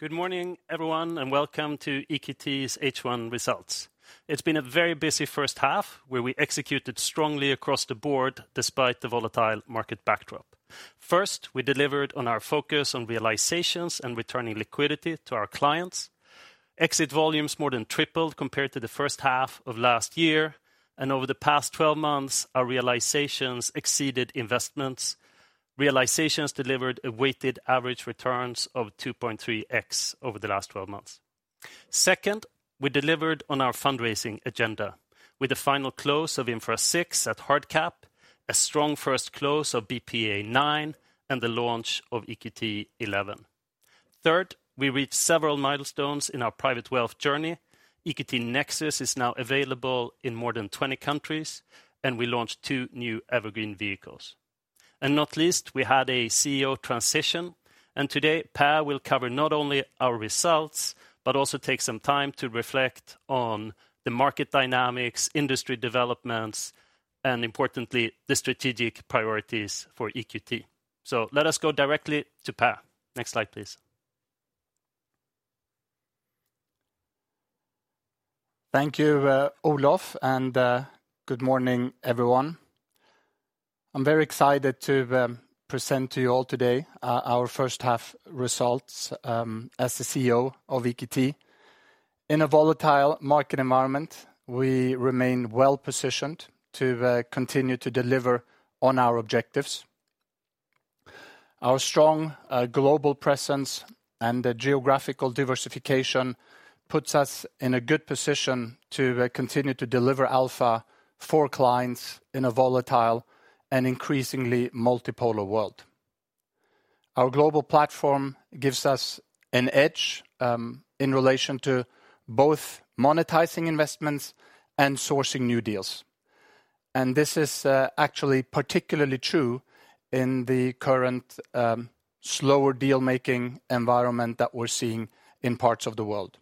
Good morning, everyone, and welcome to EQT's H1 results. It's been a very busy first half, where we executed strongly across the board despite the volatile market backdrop. First, we delivered on our focus on realizations and returning liquidity to our clients. Exit volumes more than tripled compared to the first half of last year, and over the past 12 months, our realizations exceeded investments. Realizations delivered a weighted average return of 2.3x over the last 12 months. Second, we delivered on our fundraising agenda, with the final close of Infrastructure VI at hard cap, a strong first close of BPEA IX, and the launch of EQT XI. Third, we reached several milestones in our private wealth journey. EQT Nexus is now available in more than 20 countries, and we launched two newEvergreen vehicles, and not least, we had a CEO transition, and today Per will cover not only our results, but also take some time to reflect on the market dynamics, industry developments, and importantly, the strategic priorities for EQT. So let us go directly to Per. Next slide, please. Thank you, Olof, and good morning, everyone. I'm very excited to present to you all today our first half results as the CEO of EQT. In a volatile market environment, we remain well positioned to continue to deliver on our objectives. Our strong global presence and geographical diversification puts us in a good position to continue to deliver alpha for clients in a volatile and increasingly multipolar world. Our global platform gives us an edge in relation to both monetizing investments and sourcing new deals. And this is actually particularly true in the current slower deal-making environment that we're seeing in parts of the world.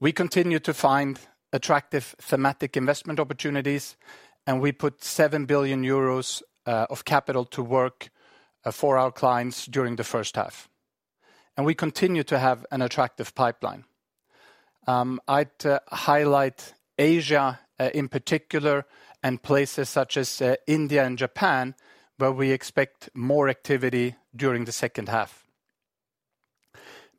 We continue to find attractive thematic investment opportunities, and we put 7 billion euros of capital to work for our clients during the first half. And we continue to have an attractive pipeline. I'd highlight Asia in particular and places such as India and Japan, where we expect more activity during the second half.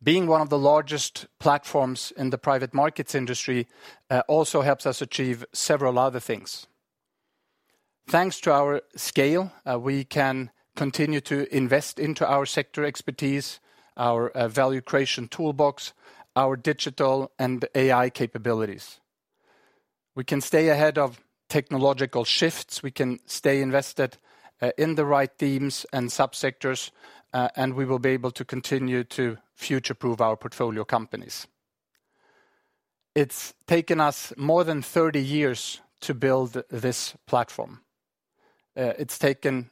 Being one of the largest platforms in the private markets industry also helps us achieve several other things. Thanks to our scale, we can continue to invest into our sector expertise, our value creation toolbox, our digital and AI capabilities. We can stay ahead of technological shifts. We can stay invested in the right teams and subsectors, and we will be able to continue to future-proof our portfolio companies. It's taken us more than 30 years to build this platform. It's taken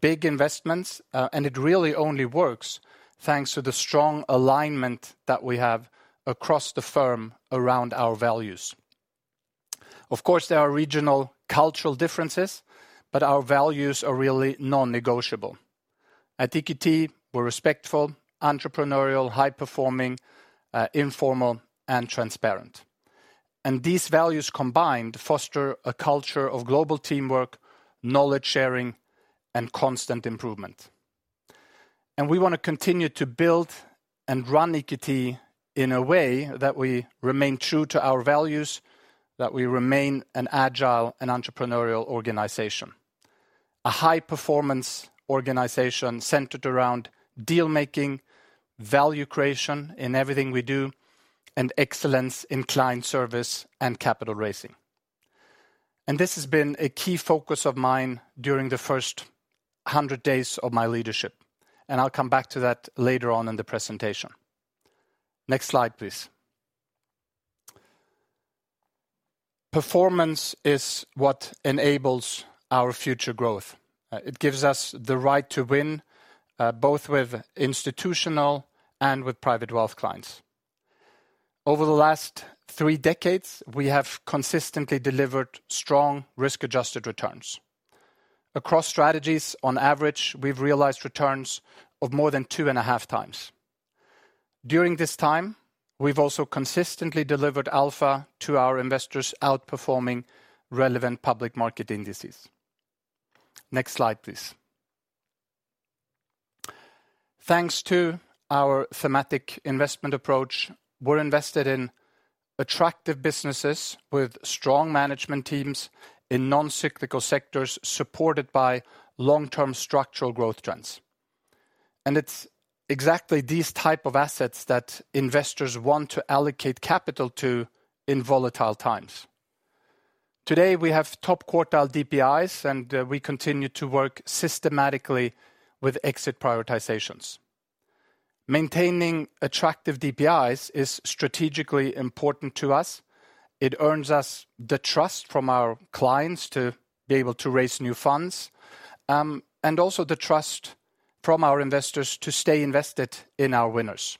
big investments, and it really only works thanks to the strong alignment that we have across the firm around our values. Of course, there are regional cultural differences, but our values are really non-negotiable. At EQT, we're respectful, entrepreneurial, high-performing, informal, and transparent. And these values combined foster a culture of global teamwork, knowledge sharing, and constant improvement. And we want to continue to build and run EQT in a way that we remain true to our values, that we remain an agile and entrepreneurial organization. A high-performance organization centered around deal-making, value creation in everything we do, and excellence in client service and capital raising. And this has been a key focus of mine during the first 100 days of my leadership, and I'll come back to that later on in the presentation. Next slide, please. Performance is what enables our future growth. It gives us the right to win, both with institutional and with private wealth clients. Over the last three decades, we have consistently delivered strong risk-adjusted returns across strategies. On average, we've realized returns of more than2.5x. During this time, we've also consistently delivered alpha to our investors outperforming relevant public market indices. Next slide, please. Thanks to our thematic investment approach, we're invested in attractive businesses with strong management teams in non-cyclical sectors supported by long-term structural growth trends. And it's exactly these types of assets that investors want to allocate capital to in volatile times. Today, we have top quartile DPIs, and we continue to work systematically with exit prioritizations. Maintaining attractive DPIs is strategically important to us. It earns us the trust from our clients to be able to raise new funds, and also the trust from our investors to stay invested in our winners.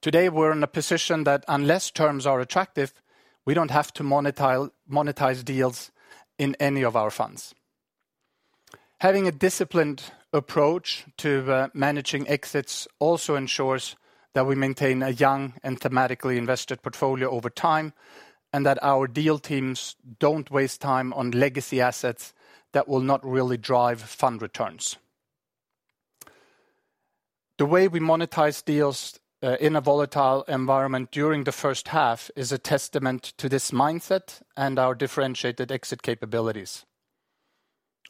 Today, we're in a position that unless terms are attractive, we don't have to monetize deals in any of our funds. Having a disciplined approach to managing exits also ensures that we maintain a young and thematically invested portfolio over time and that our deal teams don't waste time on legacy assets that will not really drive fund returns. The way we monetize deals in a volatile environment during the first half is a testament to this mindset and our differentiated exit capabilities.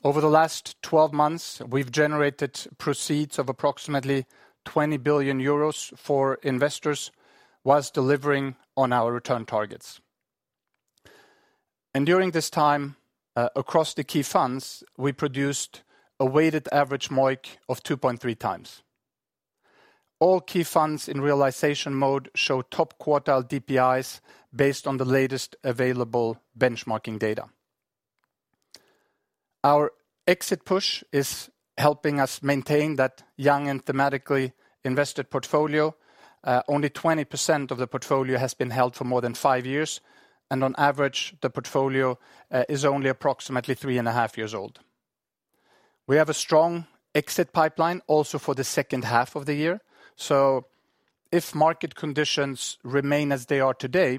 Over the last 12 months, we've generated proceeds of approximately 20 billion euros for investors while delivering on our return targets, and during this time, across the key funds, we produced a weighted average MOIC of 2.3x. All key funds in realization mode show top quartile DPIs based on the latest available benchmarking data. Our exit push is helping us maintain that young and thematically invested portfolio. Only 20% of the portfolio has been held for more than five years, and on average, the portfolio is only approximately three and a half years old. We have a strong exit pipeline also for the second half of the year, so if market conditions remain as they are today,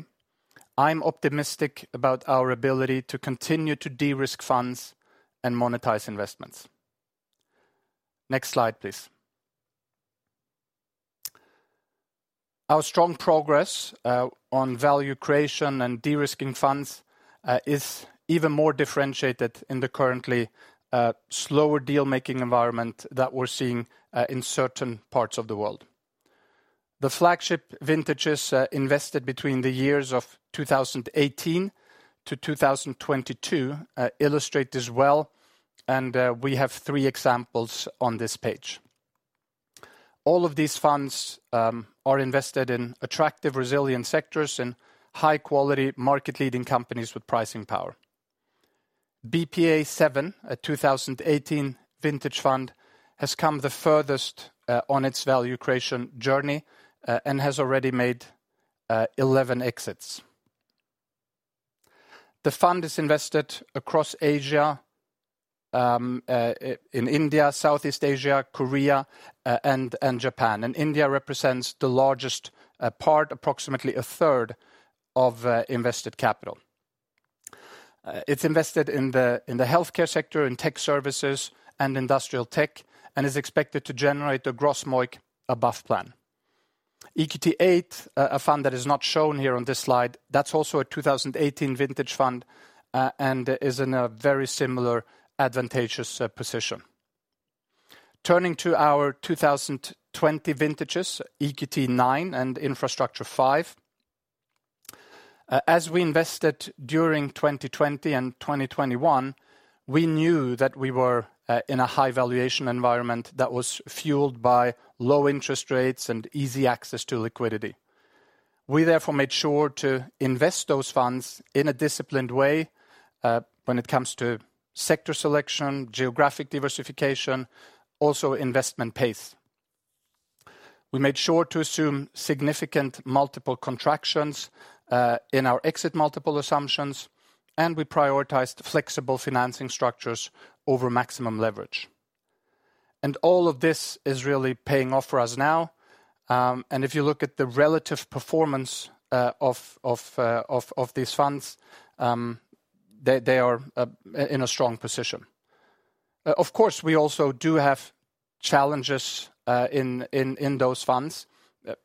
I'm optimistic about our ability to continue to de-risk funds and monetize investments. Next slide, please. Our strong progress on value creation and de-risking funds is even more differentiated in the currently slower deal-making environment that we're seeing in certain parts of the world. The flagship vintages invested between the years of 2018 to 2022 illustrate this well, and we have three examples on this page. All of these funds are invested in attractive, resilient sectors and high-quality market-leading companies with pricing power. BPEA VII, a 2018 vintage fund, has come the furthest on its value creation journey and has already made 11 exits. The fund is invested across Asia in India, Southeast Asia, Korea, and Japan, and India represents the largest part, approximately a third of invested capital. It's invested in the healthcare sector, in tech services, and industrial tech, and is expected to generate a gross MOIC above plan. EQT VIII, a fund that is not shown here on this slide, that's also a 2018 vintage fund and is in a very similar advantageous position. Turning to our 2020 vintages, EQT IX and Infrastructure V. As we invested during 2020 and 2021, we knew that we were in a high-valuation environment that was fueled by low interest rates and easy access to liquidity. We therefore made sure to invest those funds in a disciplined way. When it comes to sector selection, geographic diversification, also investment pace, we made sure to assume significant multiple contractions. In our exit multiple assumptions, and we prioritized flexible financing structures over maximum leverage, and all of this is really paying off for us now, and if you look at the relative performance of these funds, they are in a strong position. Of course, we also do have challenges in those funds,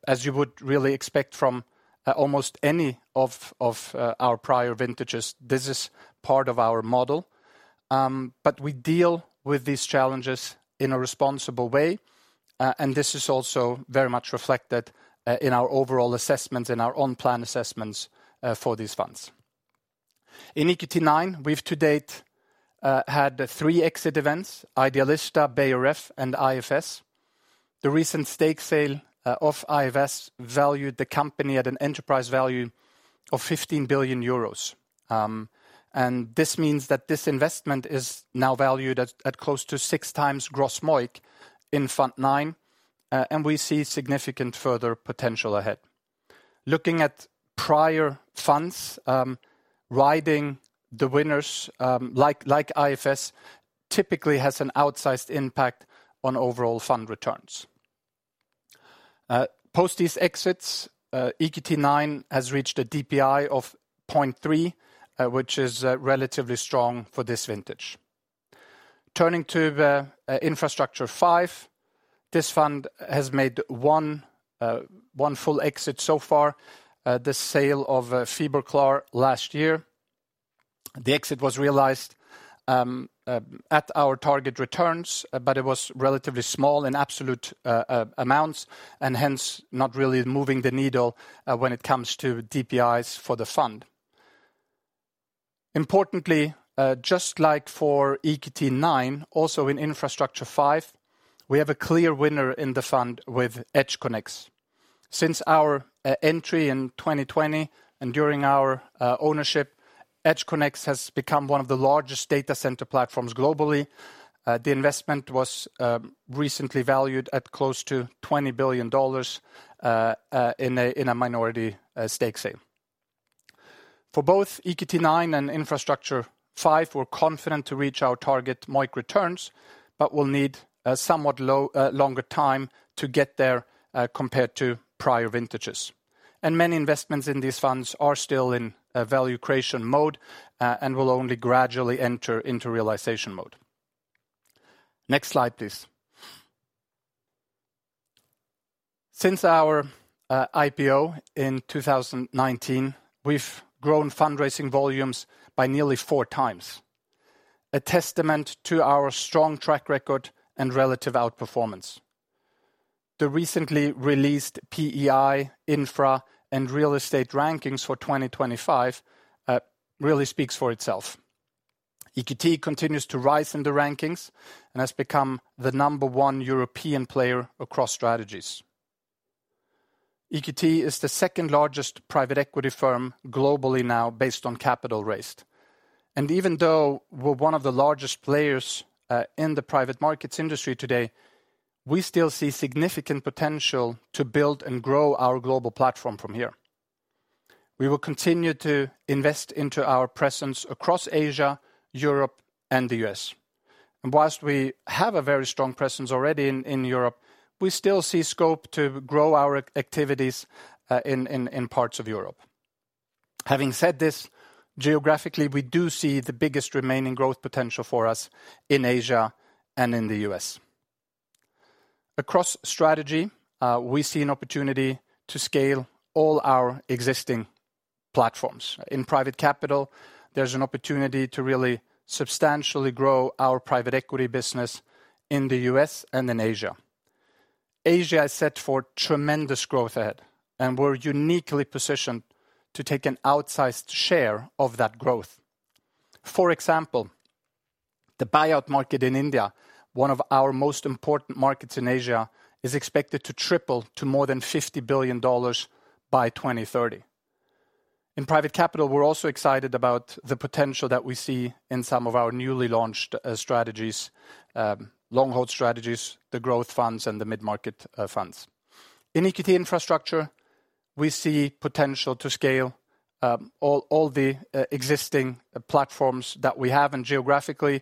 as you would really expect from almost any of our prior vintages. This is part of our model, but we deal with these challenges in a responsible way, and this is also very much reflected in our overall assessments and our on-plan assessments for these funds. In EQT IX, we've to date had three exit events: Idealista, Beijer Ref, and IFS. The recent stake sale of IFS valued the company at an enterprise value of 15 billion euros. And this means that this investment is now valued at close to six times gross MOIC in EQT IX, and we see significant further potential ahead. Looking at prior funds, riding the winners like IFS typically has an outsized impact on overall fund returns. Post these exits, EQT IX has reached a DPI of 0.3, which is relatively strong for this vintage. Turning to EQT Infrastructure V, this fund has made one full exit so far, the sale of Fiberklaar last year. The exit was realized at our target returns, but it was relatively small in absolute amounts and hence not really moving the needle when it comes to DPIs for the fund. Importantly, just like for EQT IX, also in EQT Infrastructure V, we have a clear winner in the fund with EdgeConneX. Since our entry in 2020 and during our ownership, EdgeConneX has become one of the largest data center platforms globally. The investment was recently valued at close to $20 billion in a minority stake sale. For both EQT IX and EQT Infrastructure V, we're confident to reach our target MOIC returns, but we'll need a somewhat longer time to get there compared to prior vintages, and many investments in these funds are still in value creation mode and will only gradually enter into realization mode. Next slide, please. Since our IPO in 2019, we've grown fundraising volumes by nearly 4x, a testament to our strong track record and relative outperformance. The recently released PEI, infra, and real estate rankings for 2025 really speaks for itself. EQT continues to rise in the rankings and has become the number one European player across strategies. EQT is the second largest private equity firm globally now based on capital raised. And even though we're one of the largest players in the private markets industry today, we still see significant potential to build and grow our global platform from here. We will continue to invest into our presence across Asia, Europe, and the U.S., and while we have a very strong presence already in Europe, we still see scope to grow our activities in parts of Europe. Having said this, geographically, we do see the biggest remaining growth potential for us in Asia and in the U.S.. Across strategy, we see an opportunity to scale all our existing platforms. In private capital, there's an opportunity to really substantially grow our private equity business in the U.S. and in Asia. Asia is set for tremendous growth ahead, and we're uniquely positioned to take an outsized share of that growth. For example, the buyout market in India, one of our most important markets in Asia, is expected to triple to more than $50 billion by 2030. In private capital, we're also excited about the potential that we see in some of our newly launched strategies: long-haul strategies, the growth funds, and the mid-market funds. In EQT Infrastructure, we see potential to scale all the existing platforms that we have. Geographically,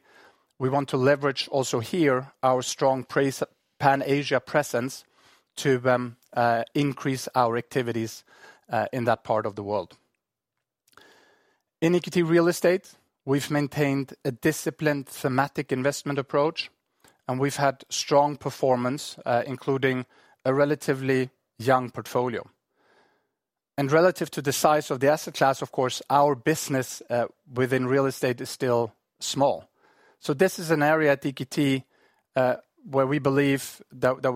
we want to leverage also here our strong Pan-Asia presence to increase our activities in that part of the world. In EQT Real Estate, we've maintained a disciplined, thematic investment approach, and we've had strong performance, including a relatively young portfolio. Relative to the size of the asset class, of course, our business within real estate is still small. This is an area at EQT where we believe that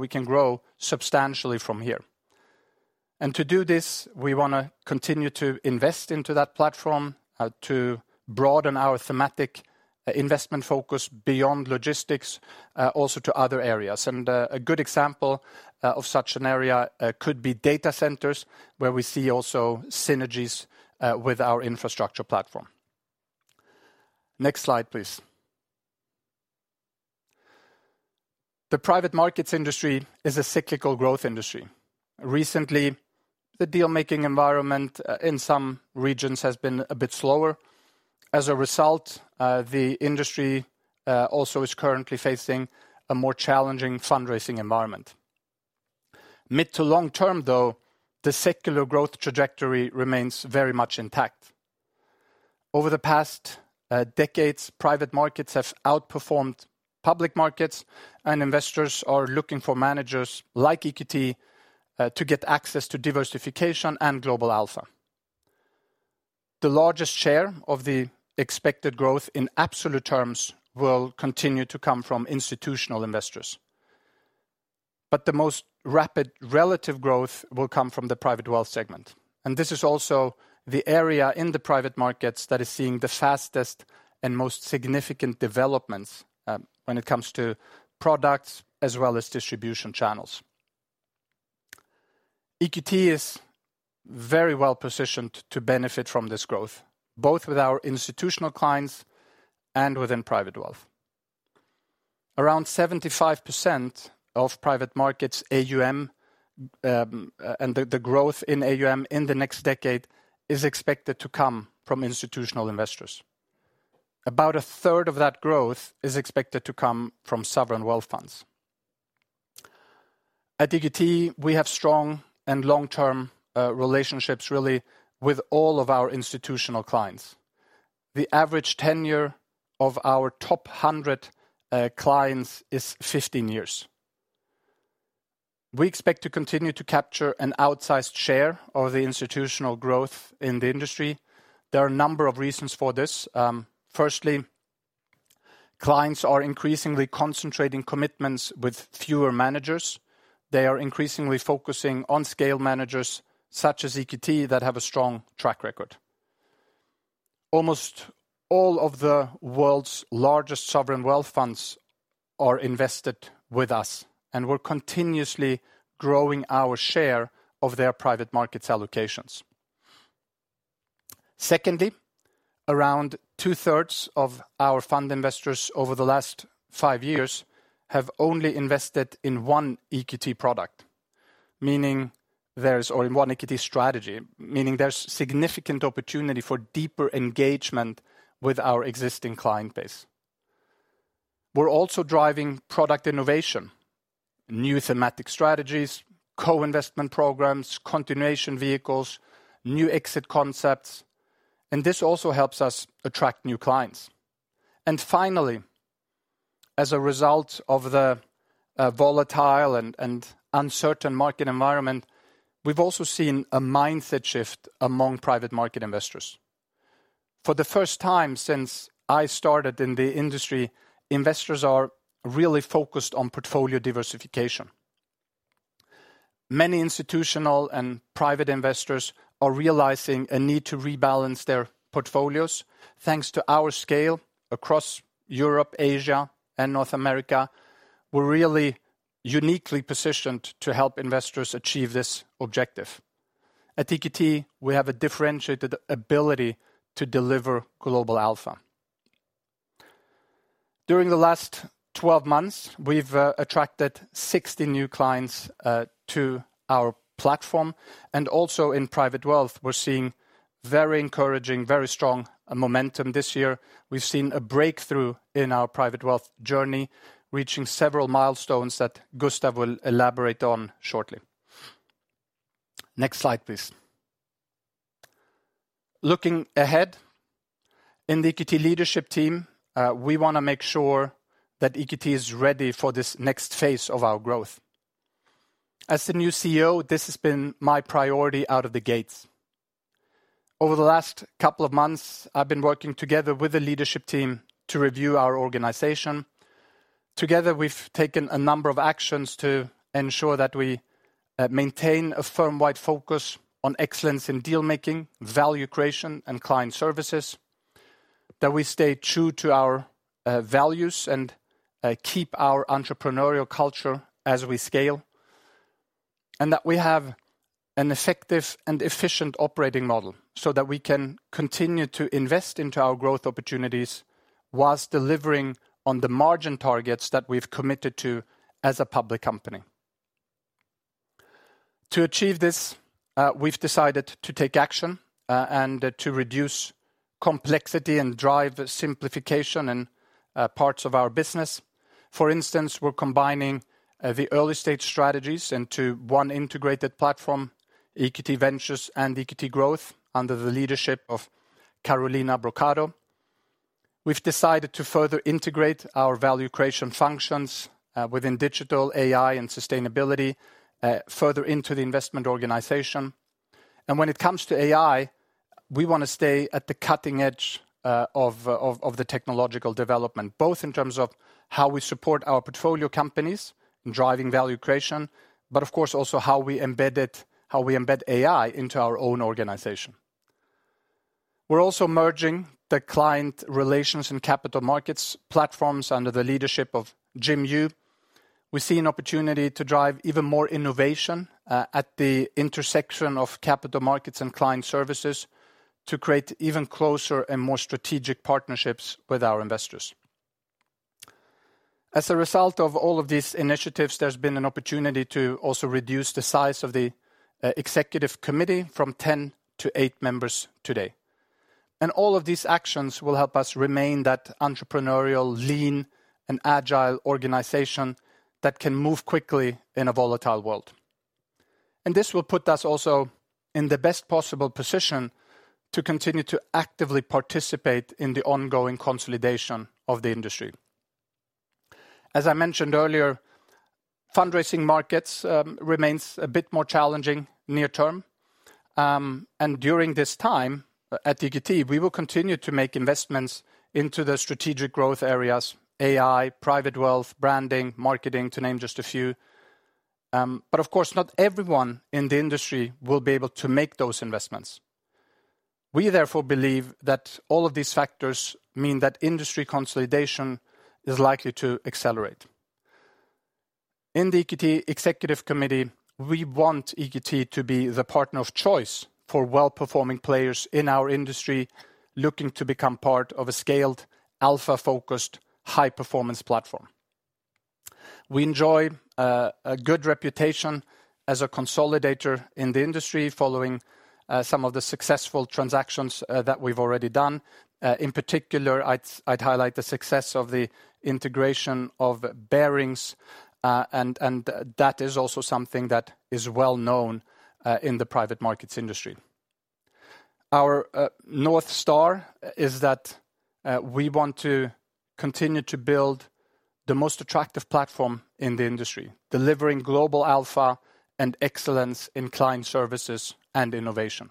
we can grow substantially from here. To do this, we want to continue to invest into that platform, to broaden our thematic investment focus beyond logistics, also to other areas. A good example of such an area could be data centers, where we see also synergies with our infrastructure platform. Next slide, please. The private markets industry is a cyclical growth industry. Recently, the deal-making environment in some regions has been a bit slower. As a result, the industry also is currently facing a more challenging fundraising environment. Mid- to long-term, though, the secular growth trajectory remains very much intact. Over the past decades, private markets have outperformed public markets, and investors are looking for managers like EQT to get access to diversification and global alpha. The largest share of the expected growth in absolute terms will continue to come from institutional investors, but the most rapid relative growth will come from the private wealth segment. This is also the area in the private markets that is seeing the fastest and most significant developments when it comes to products as well as distribution channels. EQT is very well positioned to benefit from this growth, both with our institutional clients and within private wealth. Around 75% of private markets' AUM and the growth in AUM in the next decade is expected to come from institutional investors. About a third of that growth is expected to come from sovereign wealth funds. At EQT, we have strong and long-term relationships really with all of our institutional clients. The average tenure of our top 100 clients is 15 years. We expect to continue to capture an outsized share of the institutional growth in the industry. There are a number of reasons for this. Firstly, clients are increasingly concentrating commitments with fewer managers. They are increasingly focusing on scale managers such as EQT that have a strong track record. Almost all of the world's largest sovereign wealth funds are invested with us, and we're continuously growing our share of their private markets allocations. Secondly, around two-thirds of our fund investors over the last five years have only invested in one EQT product or in one EQT strategy, meaning there's significant opportunity for deeper engagement with our existing client base. We're also driving product innovation. New thematic strategies, co-investment programs, continuation vehicles, new exit concepts, and this also helps us attract new clients. And finally, as a result of the volatile and uncertain market environment, we've also seen a mindset shift among private market investors. For the first time since I started in the industry, investors are really focused on portfolio diversification. Many institutional and private investors are realizing a need to rebalance their portfolios. Thanks to our scale across Europe, Asia, and North America, we're really uniquely positioned to help investors achieve this objective. At EQT, we have a differentiated ability to deliver global alpha. During the last 12 months, we've attracted 60 new clients to our platform. And also in private wealth, we're seeing very encouraging, very strong momentum this year. We've seen a breakthrough in our private wealth journey, reaching several milestones that Gustav will elaborate on shortly. Next slide, please. Looking ahead, in the EQT leadership team, we want to make sure that EQT is ready for this next phase of our growth. As the new CEO, this has been my priority out of the gates. Over the last couple of months, I've been working together with the leadership team to review our organization. Together, we've taken a number of actions to ensure that we maintain a firm-wide focus on excellence in deal-making, value creation, and client services. That we stay true to our values and keep our entrepreneurial culture as we scale. And that we have an effective and efficient operating model so that we can continue to invest into our growth opportunities while delivering on the margin targets that we've committed to as a public company. To achieve this, we've decided to take action and to reduce complexity and drive simplification in parts of our business. For instance, we're combining the early stage strategies into one integrated platform, EQT Ventures and EQT Growth, under the leadership of Carolina Brochado. We've decided to further integrate our value creation functions within digital, AI, and sustainability further into the investment organization. And when it comes to AI, we want to stay at the cutting edge of the technological development, both in terms of how we support our portfolio companies in driving value creation, but of course also how we embed AI into our own organization. We're also merging the client relations and capital markets platforms under the leadership of Jim Yu. We see an opportunity to drive even more innovation at the intersection of capital markets and client services to create even closer and more strategic partnerships with our investors. As a result of all of these initiatives, there's been an opportunity to also reduce the size of the executive committee from 10 to 8 members today. And all of these actions will help us remain that entrepreneurial, lean, and agile organization that can move quickly in a volatile world. And this will put us also in the best possible position to continue to actively participate in the ongoing consolidation of the industry. As I mentioned earlier, fundraising markets remain a bit more challenging near term. And during this time at EQT, we will continue to make investments into the strategic growth areas: AI, private wealth, branding, marketing, to name just a few. But of course, not everyone in the industry will be able to make those investments. We therefore believe that all of these factors mean that industry consolidation is likely to accelerate. In the EQT executive committee, we want EQT to be the partner of choice for well-performing players in our industry looking to become part of a scaled, alpha-focused, high-performance platform. We enjoy a good reputation as a consolidator in the industry following some of the successful transactions that we've already done. In particular, I'd highlight the success of the integration of Barings. And that is also something that is well known in the private markets industry. Our North Star is that we want to continue to build the most attractive platform in the industry, delivering global alpha and excellence in client services and innovation.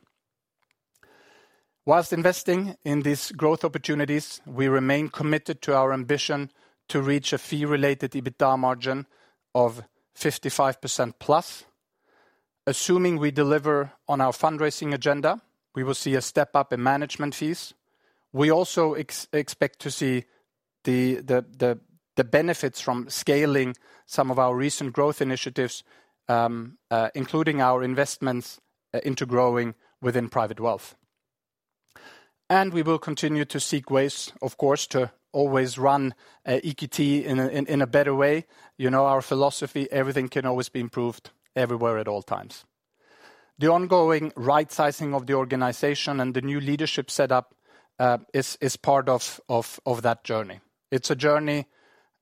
While investing in these growth opportunities, we remain committed to our ambition to reach a fee-related EBITDA margin of 55%+. Assuming we deliver on our fundraising agenda, we will see a step up in management fees. We also expect to see the benefits from scaling some of our recent growth initiatives, including our investments into growing within private wealth. And we will continue to seek ways, of course, to always run EQT in a better way. You know our philosophy: everything can always be improved everywhere at all times. The ongoing right-sizing of the organization and the new leadership setup is part of that journey. It's a journey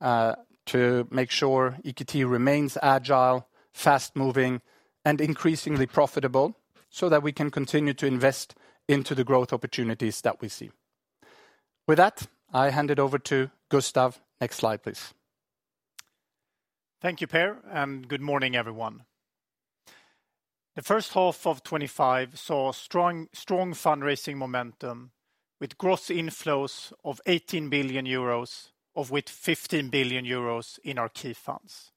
to make sure EQT remains agile, fast-moving, and increasingly profitable so that we can continue to invest into the growth opportunities that we see. With that, I hand it over to Gustav. Next slide, please. Thank you, Per. Good morning, everyone. The first half of 2025 saw strong fundraising momentum with gross inflows of 18 billion euros, of which 15 billion euros in our key funds.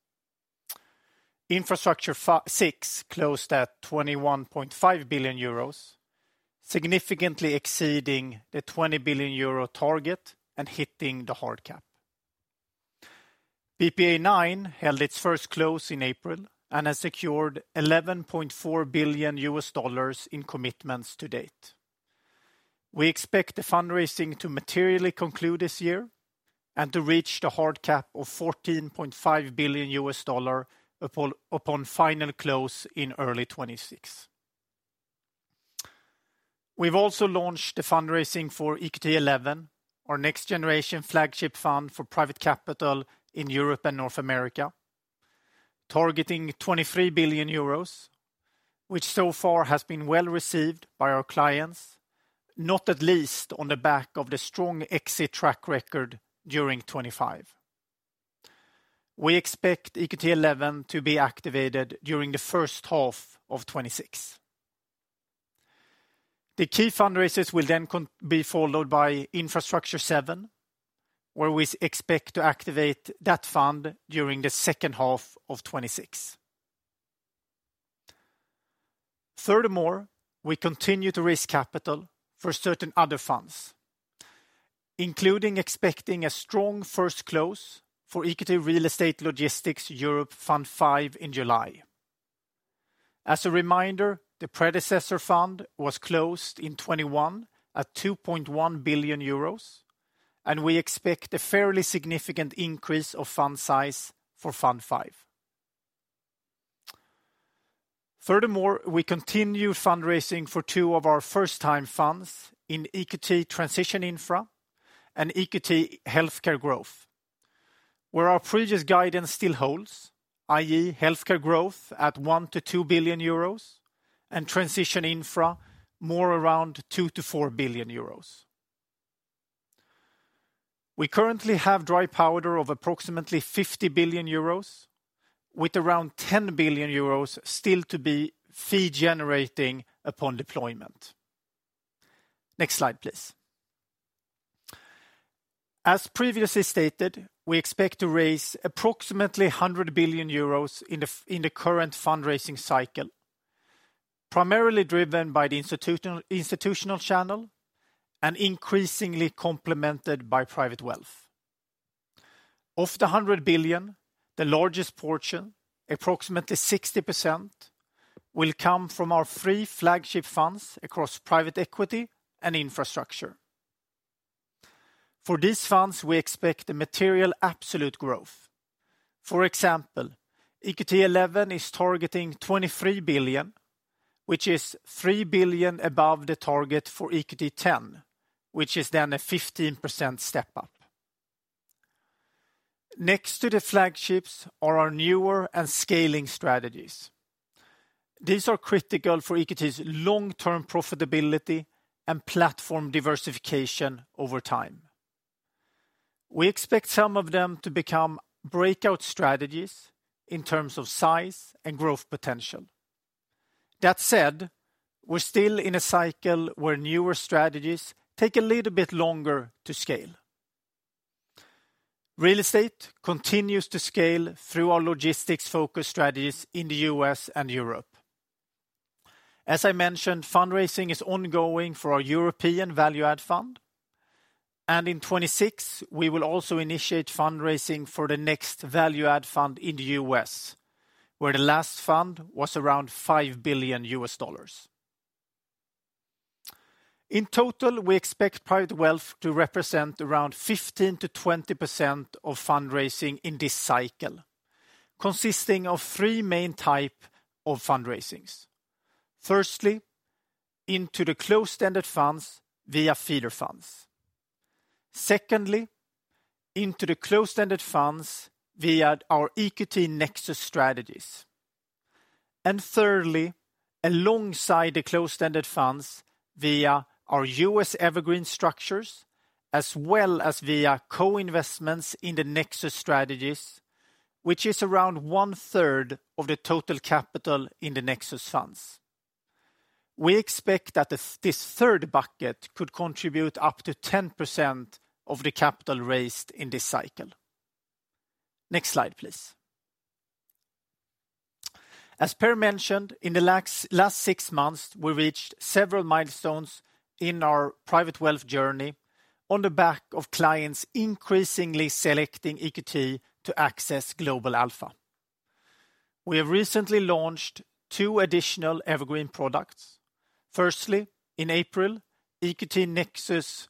Infrastructure VI closed at 21.5 billion euros. Significantly exceeding the 20 billion euro target and hitting the hard cap. BPEA IX held its first close in April and has secured $11.4 billion in commitments to date. We expect the fundraising to materially conclude this year and to reach the hard cap of $14.5 billion upon final close in early 2026. We've also launched the fundraising for EQT XI, our next-generation flagship fund for private capital in Europe and North America, targeting 23 billion euros, which so far has been well received by our clients, not least on the back of the strong exit track record during 2025. We expect EQT XI to be activated during the first half of 2026. The key fundraises will then be followed by EQT Infrastructure VII, where we expect to activate that fund during the second half of 2026. Furthermore, we continue to raise capital for certain other funds, including expecting a strong first close for EQT Real Estate Logistics Europe Fund V in July. As a reminder, the predecessor fund was closed in 2021 at 2.1 billion euros, and we expect a fairly significant increase of fund size for Fund V. Furthermore, we continue fundraising for two of our first-time funds in EQT Transition Infra and EQT Healthcare Growth, where our previous guidance still holds, i.e., Healthcare Growth at 1- 2 billion euros and Transition Infra more around 2- 4 billion euros. We currently have dry powder of approximately 50 billion euros, with around 10 billion euros still to be fee-generating upon deployment. Next slide, please. As previously stated, we expect to raise approximately 100 billion euros in the current fundraising cycle, primarily driven by the institutional channel and increasingly complemented by private wealth. Of the 100 billion, the largest portion, approximately 60%, will come from our three flagship funds across private equity and infrastructure. For these funds, we expect a material absolute growth. For example, EQT XI is targeting 23 billion, which is 3 billion above the target for EQT X, which is then a 15% step up. Next to the flagships are our newer and scaling strategies. These are critical for EQT's long-term profitability and platform diversification over time. We expect some of them to become breakout strategies in terms of size and growth potential. That said, we're still in a cycle where newer strategies take a little bit longer to scale. Real estate continues to scale through our logistics-focused strategies in the U.S. and Europe. As I mentioned, fundraising is ongoing for our European Value Add fund. And in 2026, we will also initiate fundraising for the next Value Add fund in the U.S., where the last fund was around $5 billion. In total, we expect private wealth to represent around 15%-20% of fundraising in this cycle, consisting of three main types of fundraisings. Firstly, into the closed-ended funds via feeder funds. Secondly, into the closed-ended funds via our EQT Nexus strategies. And thirdly, alongside the closed-ended funds via our U.S. Evergreen structures, as well as via co-investments in the Nexus strategies, which is around one-third of the total capital in the Nexus funds. We expect that this third bucket could contribute up to 10% of the capital raised in this cycle. Next slide, please. As Per mentioned, in the last six months, we reached several milestones in our private wealth journey on the back of clients increasingly selecting EQT to access global alpha. We have recently launched two additional Evergreen products. Firstly, in April, EQT Nexus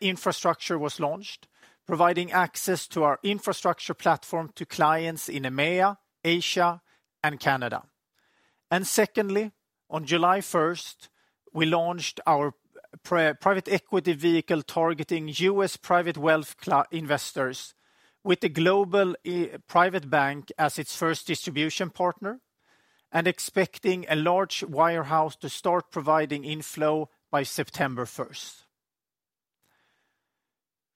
Infrastructure was launched, providing access to our infrastructure platform to clients in EMEA, Asia, and Canada. And secondly, on July 1st, we launched our private equity vehicle targeting U.S. private wealth investors with the global private bank as its first distribution partner and expecting a large wirehouse to start providing inflow by September 1st.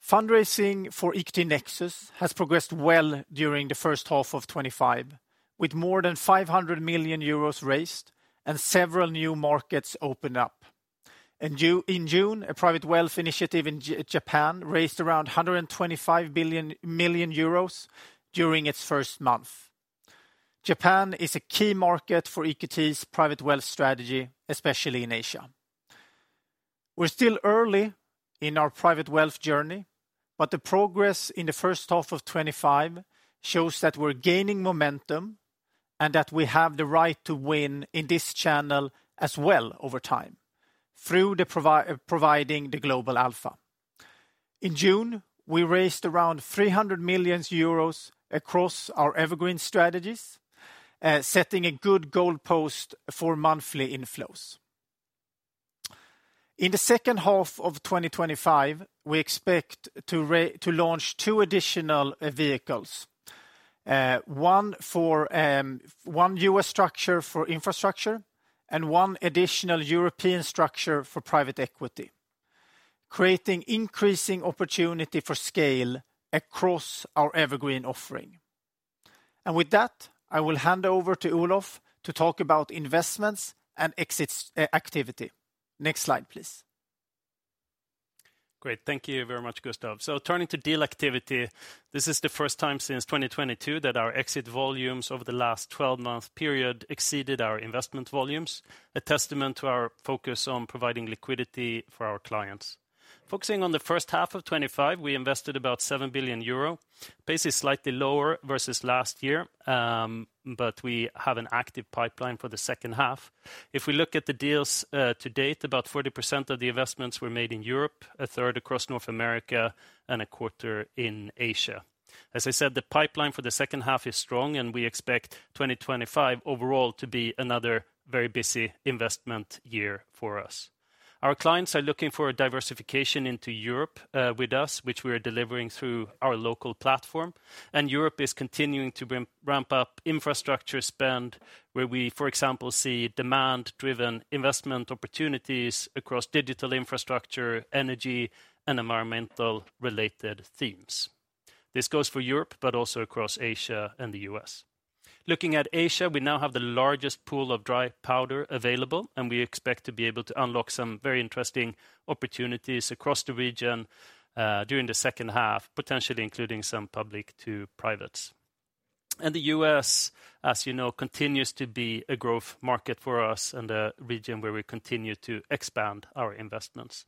Fundraising for EQT Nexus has progressed well during the first half of 2025, with more than 500 million euros raised and several new markets opened up. In June, a private wealth initiative in Japan raised around 125 billion during its first month. Japan is a key market for EQT's private wealth strategy, especially in Asia. We're still early in our private wealth journey, but the progress in the first half of 2025 shows that we're gaining momentum and that we have the right to win in this channel as well over time through providing the global alpha. In June, we raised around 300 million euros across our Evergreen strategies, setting a good goal post for monthly inflows. In the second half of 2025, we expect to launch two additional vehicles, one for one U.S. structure for infrastructure and one additional European structure for private equity, creating increasing opportunity for scale across our Evergreen offering. And with that, I will hand over to Olof to talk about investments and exit activity. Next slide, please. Great. Thank you very much, Gustav. So turning to deal activity, this is the first time since 2022 that our exit volumes over the last 12-month period exceeded our investment volumes, a testament to our focus on providing liquidity for our clients. Focusing on the first half of 2025, we invested about 7 billion euro; pace is slightly lower versus last year, but we have an active pipeline for the second half. If we look at the deals to date, about 40% of the investments were made in Europe, a third across North America, and a quarter in Asia. As I said, the pipeline for the second half is strong, and we expect 2025 overall to be another very busy investment year for us. Our clients are looking for a diversification into Europe with us, which we are delivering through our local platform. And Europe is continuing to ramp up infrastructure spend, where we, for example, see demand-driven investment opportunities across digital infrastructure, energy, and environmental-related themes. This goes for Europe, but also across Asia and the U.S.. Looking at Asia, we now have the largest pool of dry powder available, and we expect to be able to unlock some very interesting opportunities across the region. During the second half, potentially including some public to privates. And the U.S., as you know, continues to be a growth market for us and a region where we continue to expand our investments.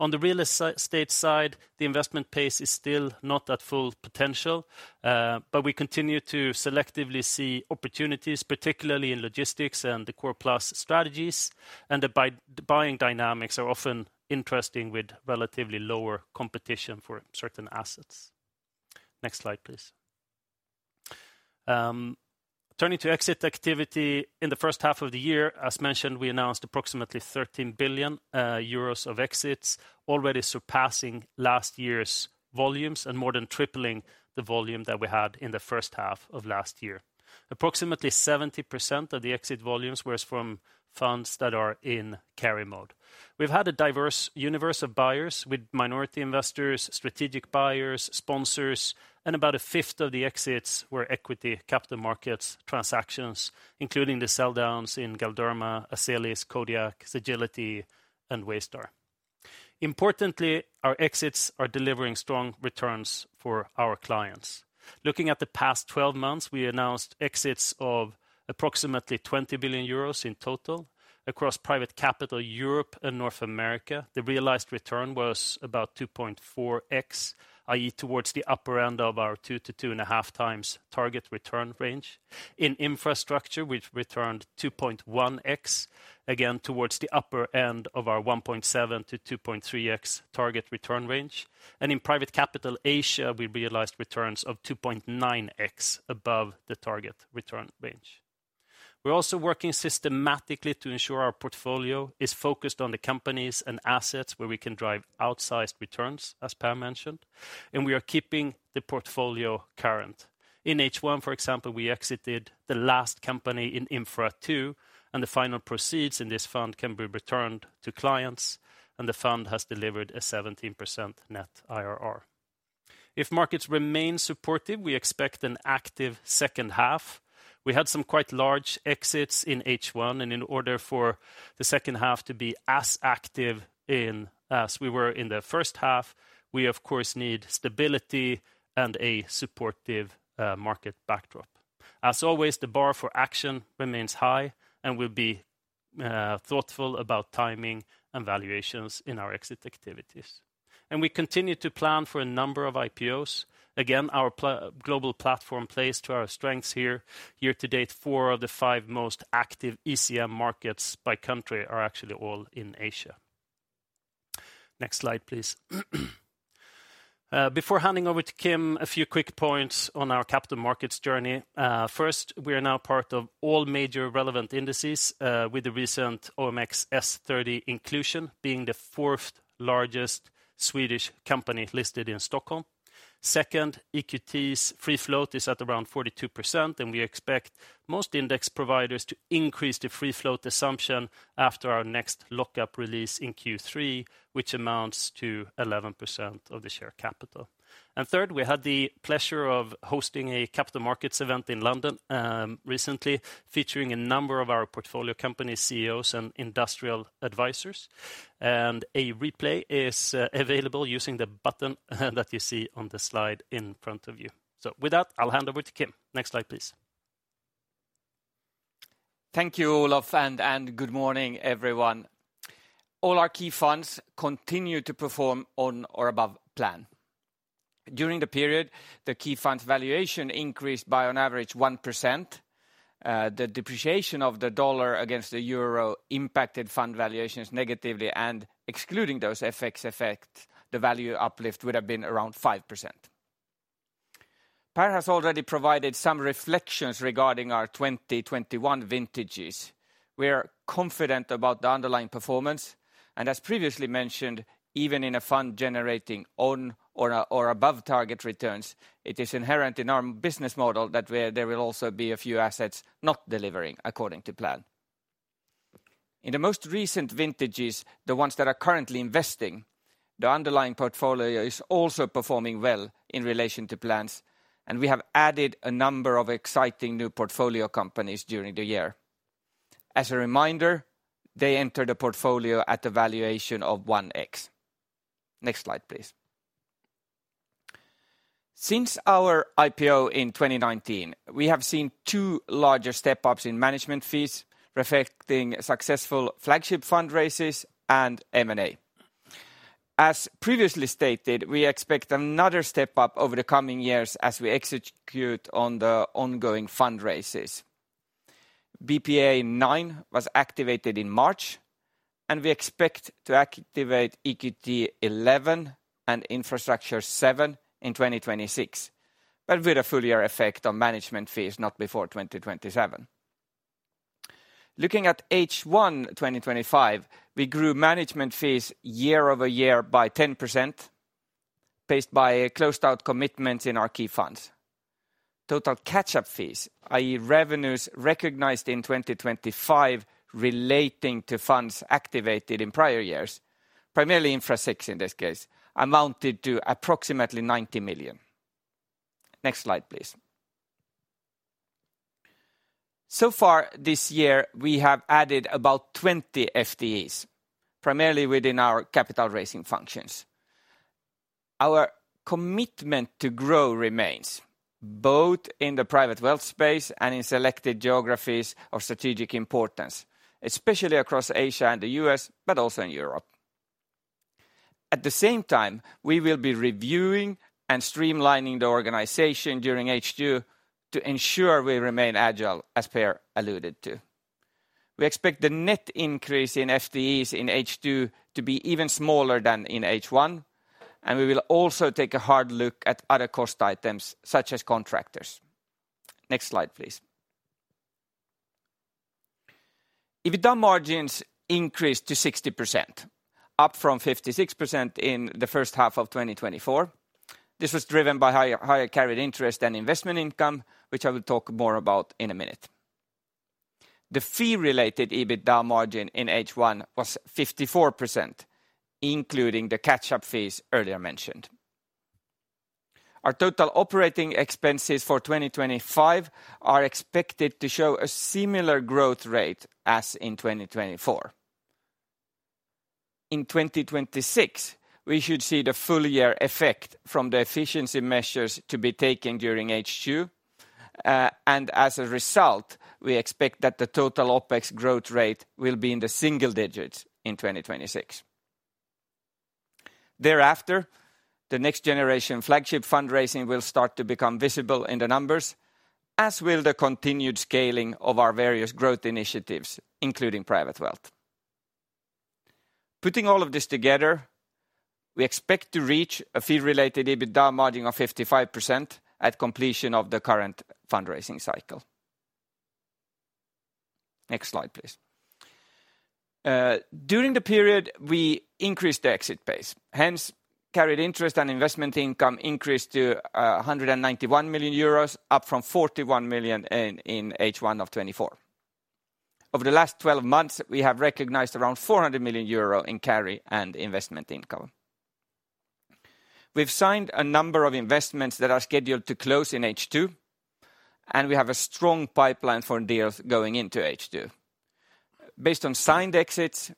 On the real estate side, the investment pace is still not at full potential. But we continue to selectively see opportunities, particularly in logistics and the core plus strategies, and the buying dynamics are often interesting with relatively lower competition for certain assets. Next slide, please. Turning to exit activity in the first half of the year, as mentioned, we announced approximately 13 billion euros of exits, already surpassing last year's volumes and more than tripling the volume that we had in the first half of last year. Approximately 70% of the exit volumes were from funds that are in carry mode. We've had a diverse universe of buyers with minority investors, strategic buyers, sponsors, and about a fifth of the exits were equity capital markets transactions, including the sell-downs in Galderma, Azelis, Kodiak, Sagility, and Waystar. Importantly, our exits are delivering strong returns for our clients. Looking at the past 12 months, we announced exits of approximately 20 billion euros in total across private capital Europe and North America. The realized return was about 2.4x, i.e., towards the upper end of our 2x-2.5x target return range. In infrastructure, we returned 2.1x, again towards the upper end of our 1.7x-2.3x target return range. And in private capital Asia, we realized returns of 2.9x above the target return range. We're also working systematically to ensure our portfolio is focused on the companies and assets where we can drive outsized returns, as Per mentioned, and we are keeping the portfolio current. In H1, for example, we exited the last company in Infra II, and the final proceeds in this fund can be returned to clients, and the fund has delivered a 17% net IRR. If markets remain supportive, we expect an active second half. We had some quite large exits in H1, and in order for the second half to be as active as we were in the first half, we, of course, need stability and a supportive market backdrop. As always, the bar for action remains high, and we'll be thoughtful about timing and valuations in our exit activities. And we continue to plan for a number of IPOs. Again, our global platform plays to our strengths here. Year to date, four of the five most active ECM markets by country are actually all in Asia. Next slide, please. Before handing over to Kim, a few quick points on our capital markets journey. First, we are now part of all major relevant indices, with the recent OMXS30 inclusion being the fourth largest Swedish company listed in Stockholm. Second, EQT's free float is at around 42%, and we expect most index providers to increase the free float assumption after our next lockup release in Q3, which amounts to 11% of the share capital. Third, we had the pleasure of hosting a Capital Markets event in London recently, featuring a number of our portfolio company CEOs and industrial advisors. A replay is available using the button that you see on the slide in front of you. With that, I'll hand over to Kim. Next slide, please. Thank you, Olof, and good morning, everyone. All our key funds continue to perform on or above plan. During the period, the key funds' valuation increased by an average of 1%. The depreciation of the dollar against the euro impacted fund valuations negatively, and excluding those FX effects, the value uplift would have been around 5%. Per has already provided some reflections regarding our 2021 vintages. We are confident about the underlying performance, and as previously mentioned, even in a fund generating on or above target returns, it is inherent in our business model that there will also be a few assets not delivering according to plan. In the most recent vintages, the ones that are currently investing, the underlying portfolio is also performing well in relation to plans, and we have added a number of exciting new portfolio companies during the year. As a reminder, they entered a portfolio at a valuation of 1x. Next slide, please. Since our IPO in 2019, we have seen two larger step-ups in management fees, reflecting successful flagship fund raises and M&A. As previously stated, we expect another step-up over the coming years as we execute on the ongoing fund raises. BPEA IX was activated in March, and we expect to activate EQT XI and EQT Infrastructure VII in 2026, but with a full year effect on management fees not before 2027. Looking at H1 2025, we grew management fees year-over-year by 10%. Based on closed-out commitments in our key funds. Total catch-up fees, i.e., revenues recognized in 2025 relating to funds activated in prior years, primarily Infrastructure in this case, amounted to approximately 90 million. Next slide, please. So far this year, we have added about 20 FTEs, primarily within our capital raising functions. Our commitment to grow remains, both in the private wealth space and in selected geographies of strategic importance, especially across Asia and the U.S., but also in Europe. At the same time, we will be reviewing and streamlining the organization during H2 to ensure we remain agile, as Per alluded to. We expect the net increase in FTEs in H2 to be even smaller than in H1, and we will also take a hard look at other cost items such as contractors. Next slide, please. EBITDA margins increased to 60%, up from 56% in the first half of 2024. This was driven by higher carried interest and investment income, which I will talk more about in a minute. The fee-related EBITDA margin in H1 was 54%. Including the catch-up fees earlier mentioned. Our total operating expenses for 2025 are expected to show a similar growth rate as in 2024. In 2026, we should see the full year effect from the efficiency measures to be taken during H2. And as a result, we expect that the total OPEX growth rate will be in the single digits in 2026. Thereafter, the next generation flagship fundraising will start to become visible in the numbers, as will the continued scaling of our various growth initiatives, including private wealth. Putting all of this together, we expect to reach a fee-related EBITDA margin of 55% at completion of the current fundraising cycle. Next slide, please. During the period, we increased the exit pace. Hence, carried interest and investment income increased to 191 million euros, up from 41 million in H1 of 2024. Over the last 12 months, we have recognized around 400 million euro in carry and investment income. We've signed a number of investments that are scheduled to close in H2. And we have a strong pipeline for deals going into H2. Based on signed exits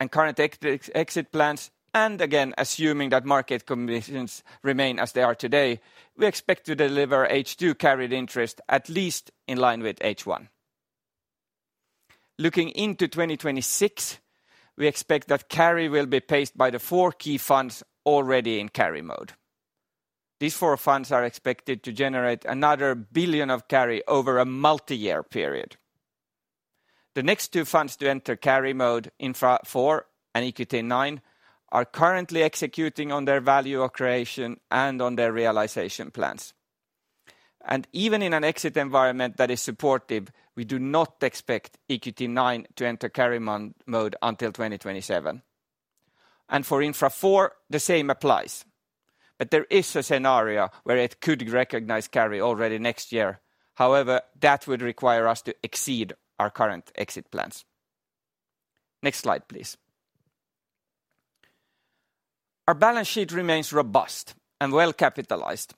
and current exit plans, and again, assuming that market conditions remain as they are today, we expect to deliver H2 carried interest at least in line with H1. Looking into 2026, we expect that carry will be paced by the four key funds already in carry mode. These four funds are expected to generate another billion of carry over a multi-year period. The next two funds to enter carry mode, Infra IVand EQT IX, are currently executing on their value of creation and on their realization plans. And even in an exit environment that is supportive, we do not expect EQT IX to enter carry mode until 2027. And for Infra IV, the same applies. But there is a scenario where it could recognize carry already next year. However, that would require us to exceed our current exit plans. Next slide, please. Our balance sheet remains robust and well capitalized.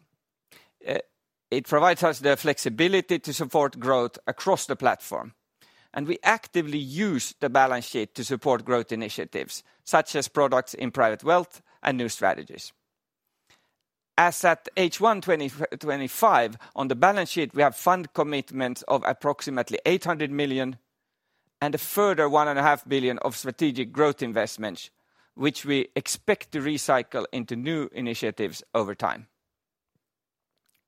It provides us the flexibility to support growth across the platform. And we actively use the balance sheet to support growth initiatives, such as products in private wealth and new strategies. As at H1 2025, on the balance sheet, we have fund commitments of approximately 800 million. And a further 1.5 billion of strategic growth investments, which we expect to recycle into new initiatives over time.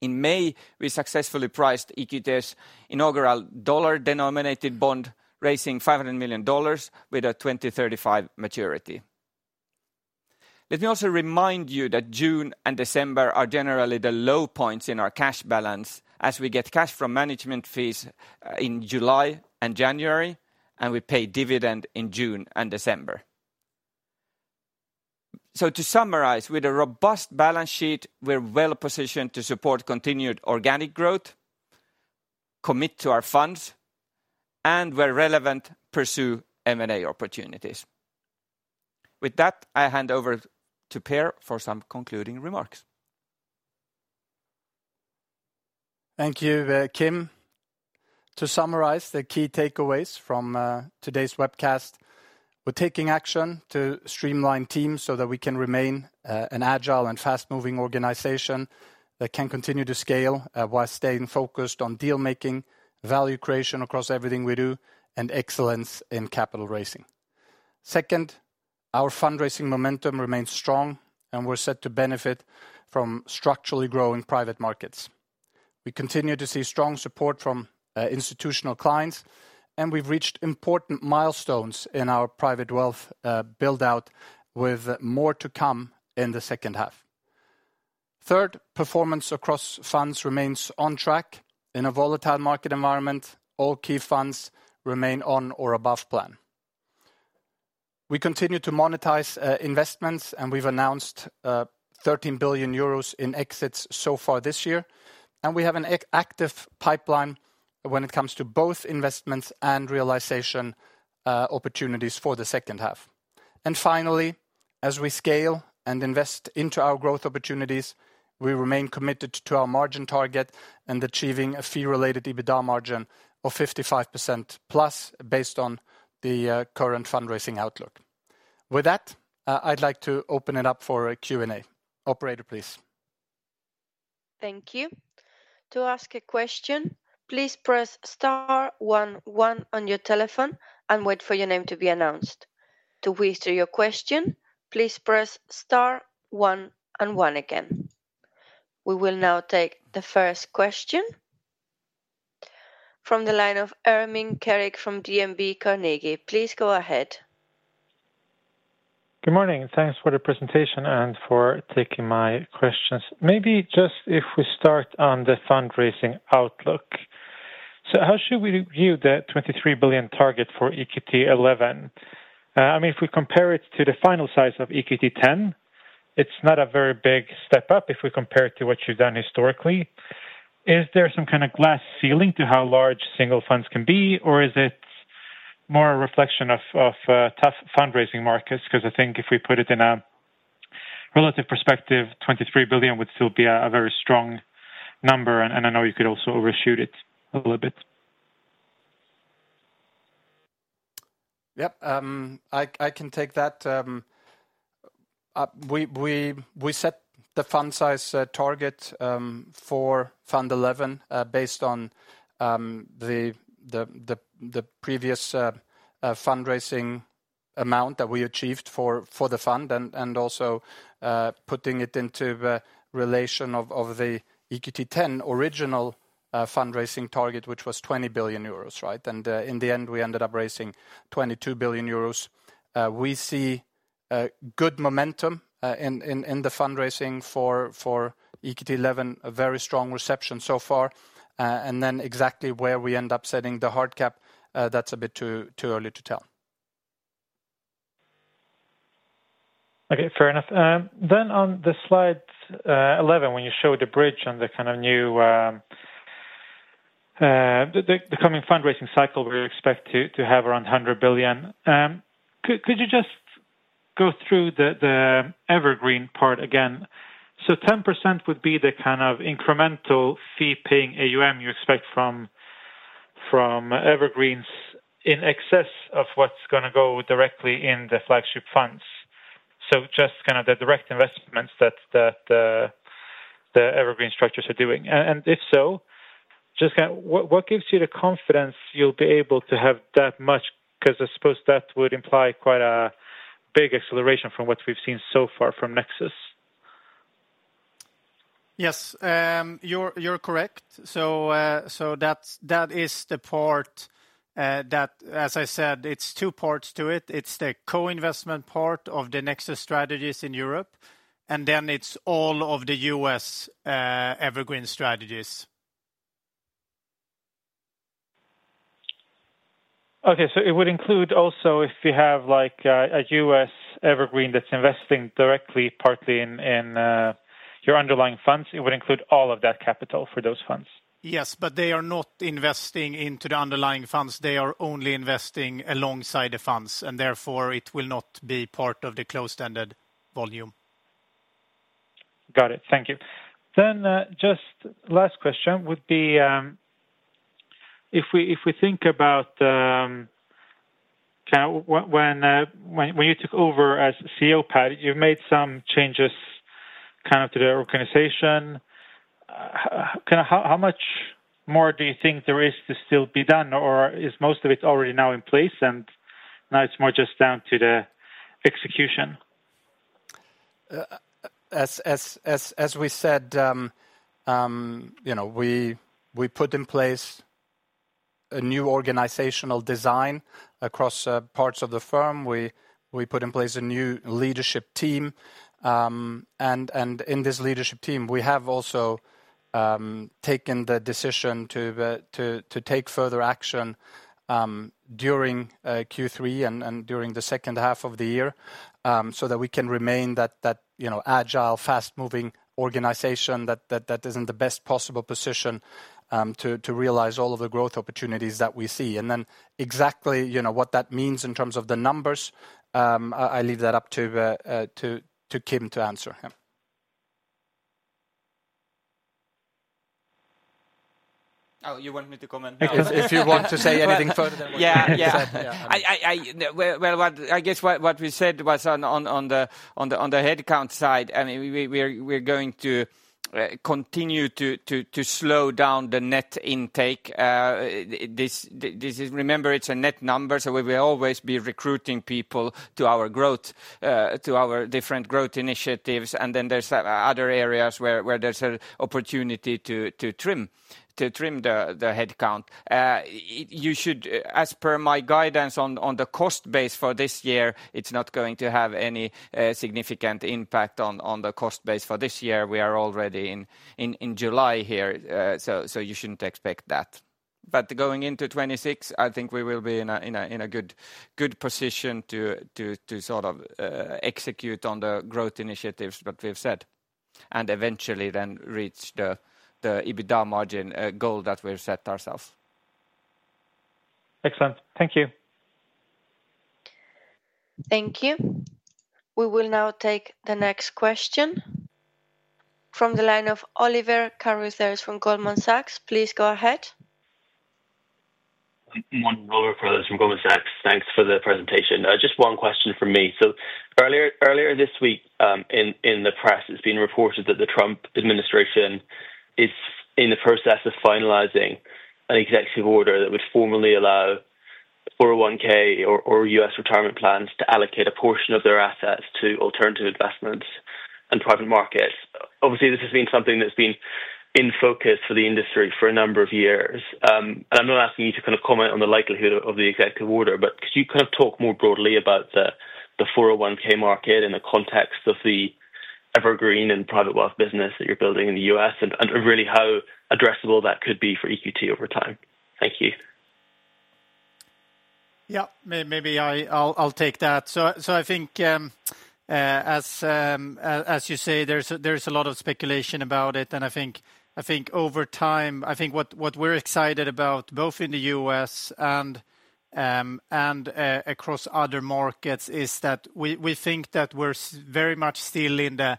In May, we successfully priced EQT's inaugural dollar-denominated bond, raising $500 million with a 2035 maturity. Let me also remind you that June and December are generally the low points in our cash balance, as we get cash from management fees in July and January, and we pay dividend in June and December. So to summarize, with a robust balance sheet, we're well positioned to support continued organic growth. Commit to our funds, and where relevant, pursue M&A opportunities. With that, I hand over to Per for some concluding remarks. Thank you, Kim. To summarize the key takeaways from today's webcast, we're taking action to streamline teams so that we can remain an agile and fast-moving organization that can continue to scale while staying focused on deal-making, value creation across everything we do, and excellence in capital raising. Second, our fundraising momentum remains strong, and we're set to benefit from structurally growing private markets. We continue to see strong support from institutional clients, and we've reached important milestones in our private wealth build-out with more to come in the second half. Third, performance across funds remains on track. In a volatile market environment, all key funds remain on or above plan. We continue to monetize investments, and we've announced 13 billion euros in exits so far this year. We have an active pipeline when it comes to both investments and realization opportunities for the second half. Finally, as we scale and invest into our growth opportunities, we remain committed to our margin target and achieving a fee-related EBITDA margin of 55%+ based on the current fundraising outlook. With that, I'd like to open it up for a Q&A. Operator, please. Thank you. To ask a question, please press star one one on your telephone and wait for your name to be announced. To whisper your question, please press star one one again. We will now take the first question. From the line of Ermin Keric from DNB Carnegie. Please go ahead. Good morning. Thanks for the presentation and for taking my questions. Maybe just if we start on the fundraising outlook. So how should we view the 23 billion target for EQT XI? I mean, if we compare it to the final size of EQT X, it's not a very big step-up if we compare it to what you've done historically. Is there some kind of glass ceiling to how large single funds can be, or is it more a reflection of tough fundraising markets? Because I think if we put it in a relative perspective, 23 billion would still be a very strong number, and I know you could also overshoot it a little bit. Yep, I can take that. We set the fund size target for fund 11 based on the previous fundraising amount that we achieved for the fund, and also putting it into the relation of the EQT X original fundraising target, which was 20 billion euros, right? And in the end, we ended up raising 22 billion euros. We see good momentum in the fundraising for EQT XI, a very strong reception so far, and then exactly where we end up setting the hard cap, that's a bit too early to tell. Okay, fair enough. Then on the slide 11, when you showed the bridge and the kind of new the coming fundraising cycle, we expect to have around 100 billion. Could you just go through theEvergreen part again? So 10% would be the kind of incremental fee-paying AUM you expect from. Evergreens in excess of what's going to go directly in the flagship funds. So just kind of the direct investments that. TheEvergreen structures are doing. And if so, just kind of what gives you the confidence you'll be able to have that much? Because I suppose that would imply quite a big acceleration from what we've seen so far from Nexus. Yes. You're correct. So that is the part. That, as I said, it's two parts to it. It's the co-investment part of the Nexus strategies in Europe, and then it's all of the U.S. Evergreen strategies. Okay, so it would include also, if you have a U.S. Evergreen that's investing directly, partly in. Your underlying funds, it would include all of that capital for those funds. Yes, but they are not investing into the underlying funds. They are only investing alongside the funds, and therefore it will not be part of the closed-ended volume. Got it. Thank you. Then just last question would be. If we think about. When you took over as CEO, Pat, you made some changes kind of to the organization. How much more do you think there is to still be done, or is most of it already now in place, and now it's more just down to the execution? As we said. We put in place. A new organizational design across parts of the firm. We put in place a new leadership team. And in this leadership team, we have also. Taken the decision to. Take further action. During Q3 and during the second half of the year so that we can remain that. Agile, fast-moving organization that is in the best possible position. To realize all of the growth opportunities that we see. And then exactly what that means in terms of the numbers. I leave that up to Kim to answer. Oh, you want me to comment? If you want to say anything further than what you said. Yeah. Well, I guess what we said was on the headcount side. I mean, we're going to. Continue to slow down the net intake. Remember, it's a net number, so we will always be recruiting people to our growth, to our different growth initiatives. And then there's other areas where there's an opportunity to trim. The headcount. You should, as per my guidance on the cost base for this year, it's not going to have any significant impact on the cost base for this year. We are already in July here, so you shouldn't expect that. But going into 2026, I think we will be in a good position to. Sort of execute on the growth initiatives that we've said and eventually then reach the EBITDA margin goal that we've set ourselves. Excellent. Thank you. Thank you. We will now take the next question. From the line of Oliver Carruthers from Goldman Sachs. Morning, Oliver, from Goldman Sachs. Thanks for the presentation. Just one question for me. So earlier this week in the press, it's been reported that the Trump administration is in the process of finalizing an executive order that would formally allow 401(k)s or U.S. retirement plans to allocate a portion of their assets to alternative investments and private markets. Obviously, this has been something that's been in focus for the industry for a number of years. And I'm not asking you to kind of comment on the likelihood of the executive order, but could you kind of talk more broadly about the 401(k) market in the context of theEvergreen and private wealth business that you're building in the U.S. and really how addressable that could be for EQT over time? Thank you. Yep, maybe I'll take that. So I think, as you say, there's a lot of speculation about it. And I think over time, I think what we're excited about, both in the U.S. and across other markets, is that we think that we're very much still in the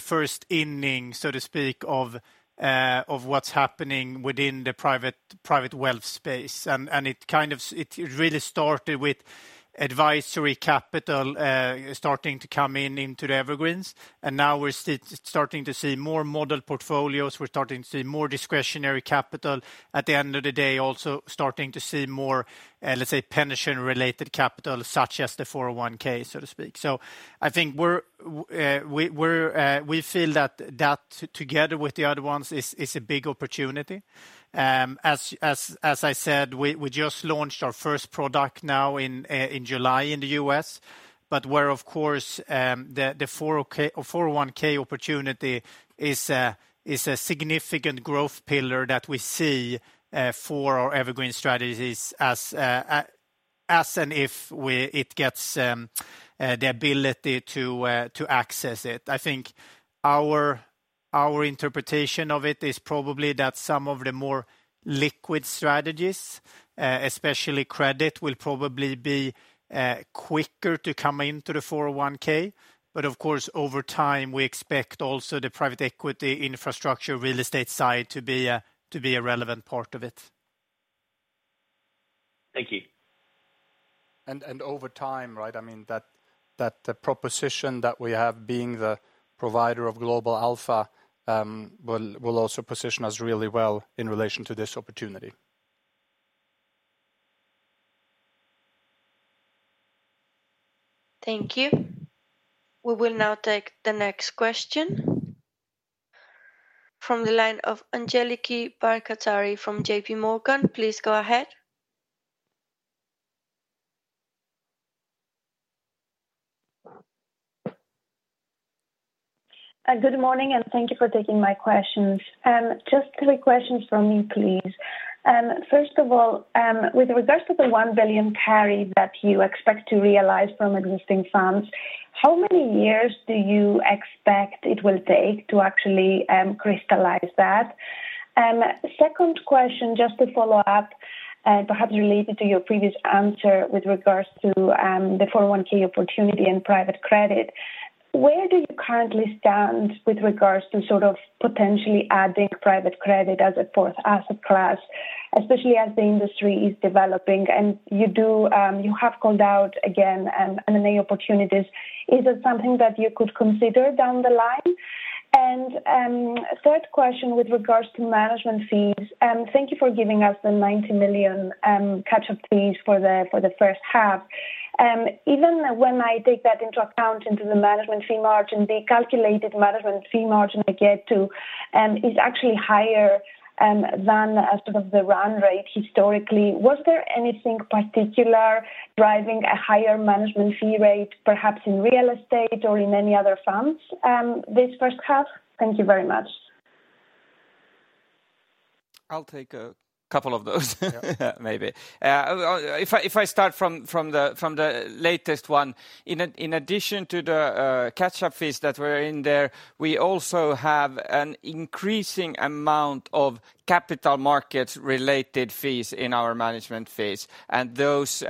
first inning, so to speak, of what's happening within the private wealth space. And it kind of really started with advisory capital starting to come in into theEvergreens. And now we're starting to see more model portfolios. We're starting to see more discretionary capital. At the end of the day, also starting to see more, let's say, pension-related capital, such as the 401(k), so to speak. So I think we feel that that together with the other ones is a big opportunity. As I said, we just launched our first product now in July in the U.S. But where, of course, the 401(k) opportunity is a significant growth pillar that we see for ourEvergreen strategies as. And if it gets the ability to access it. I think our interpretation of it is probably that some of the more liquid strategies, especially credit, will probably be quicker to come into the 401(k). But of course, over time, we expect also the private equity infrastructure, real estate side to be a relevant part of it. Thank you. And over time, right, I mean, that proposition that we have being the provider of global alpha will also position us really well in relation to this opportunity. Thank you. We will now take the next question. From the line of Angeliki Bairaktari from JPMorgan. Please go ahead. Good morning and thank you for taking my questions. Just three questions from me, please. First of all, with regards to the 1 billion that you expect to realize from existing funds, how many years do you expect it will take to actually crystallize that? Second question, just to follow up and perhaps related to your previous answer with regards to the 401(k) opportunity and private credit, where do you currently stand with regards to sort of potentially adding private credit as a fourth asset class, especially as the industry is developing? And you have called out again M&A opportunities. Is it something that you could consider down the line? And third question with regards to management fees. Thank you for giving us the 90 million catch-up fees for the first half. Even when I take that into account, into the management fee margin, the calculated management fee margin I get to is actually higher than sort of the run rate historically. Was there anything particular driving a higher management fee rate, perhaps in real estate or in any other funds this first half? Thank you very much. I'll take a couple of those, maybe. If I start from the latest one, in addition to the catch-up fees that were in there, we also have an increasing amount of capital markets-related fees in our management fees. And those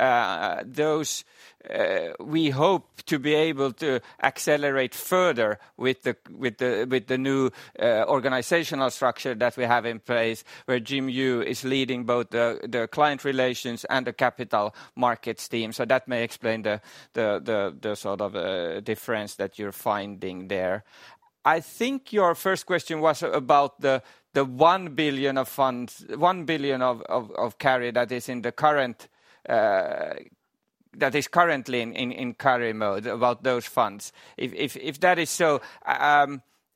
we hope to be able to accelerate further with the new organizational structure that we have in place where Jim Yu is leading both the client relations and the capital markets team. So that may explain the sort of difference that you're finding there. I think your first question was about the 1 billion of carry that is currently in carry mode, about those funds if that is so.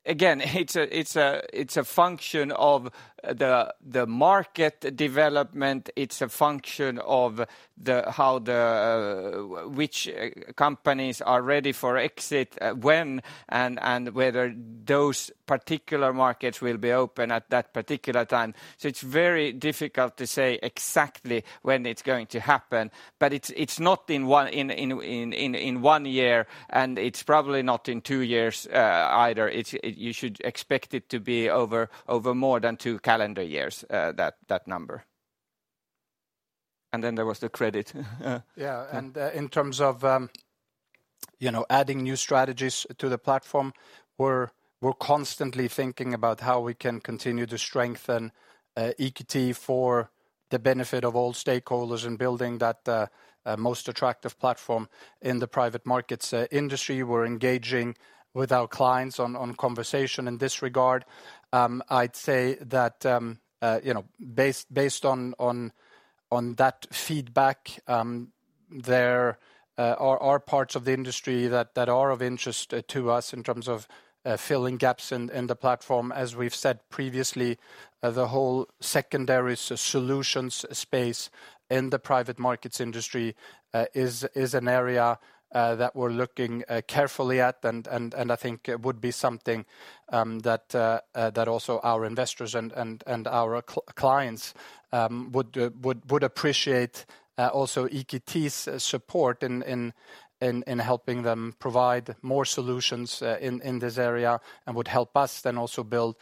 Again, it's a function of the market development. It's a function of which companies are ready for exit, when, and whether those particular markets will be open at that particular time. So it's very difficult to say exactly when it's going to happen, but it's not in one year, and it's probably not in two years either. You should expect it to be over more than two calendar years, that number. And then there was the credit. Yeah, and in terms of adding new strategies to the platform, we're constantly thinking about how we can continue to strengthen EQT for the benefit of all stakeholders and building that most attractive platform in the private markets industry. We're engaging with our clients in conversations in this regard. I'd say that based on that feedback there are parts of the industry that are of interest to us in terms of filling gaps in the platform. As we've said previously, the whole secondary solutions space in the private markets industry is an area that we're looking carefully at, and I think it would be something that also our investors and our clients would appreciate. Also EQT's support in helping them provide more solutions in this area and would help us then also build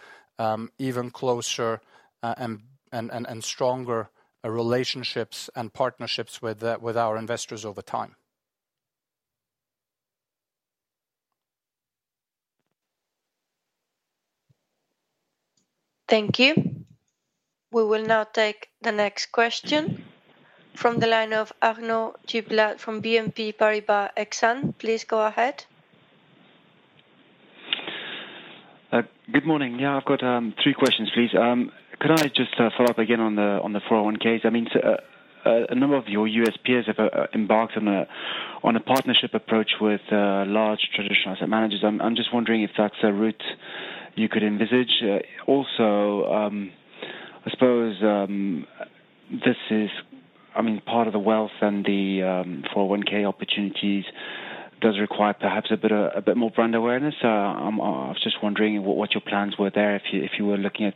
even closer and stronger relationships and partnerships with our investors over time. Thank you. We will now take the next question from the line of Arnaud Giblat from BNP Paribas Exane. Please go ahead. Good morning. Yeah, I've got three questions, please. Could I just follow up again on the 401(k)s? I mean a number of your U.S. peers have embarked on a partnership approach with large traditional asset managers. I'm just wondering if that's a route you could envisage. Also I suppose. This is, I mean, part of the wealth and the 401(k) opportunities does require perhaps a bit more brand awareness. I was just wondering what your plans were there if you were looking at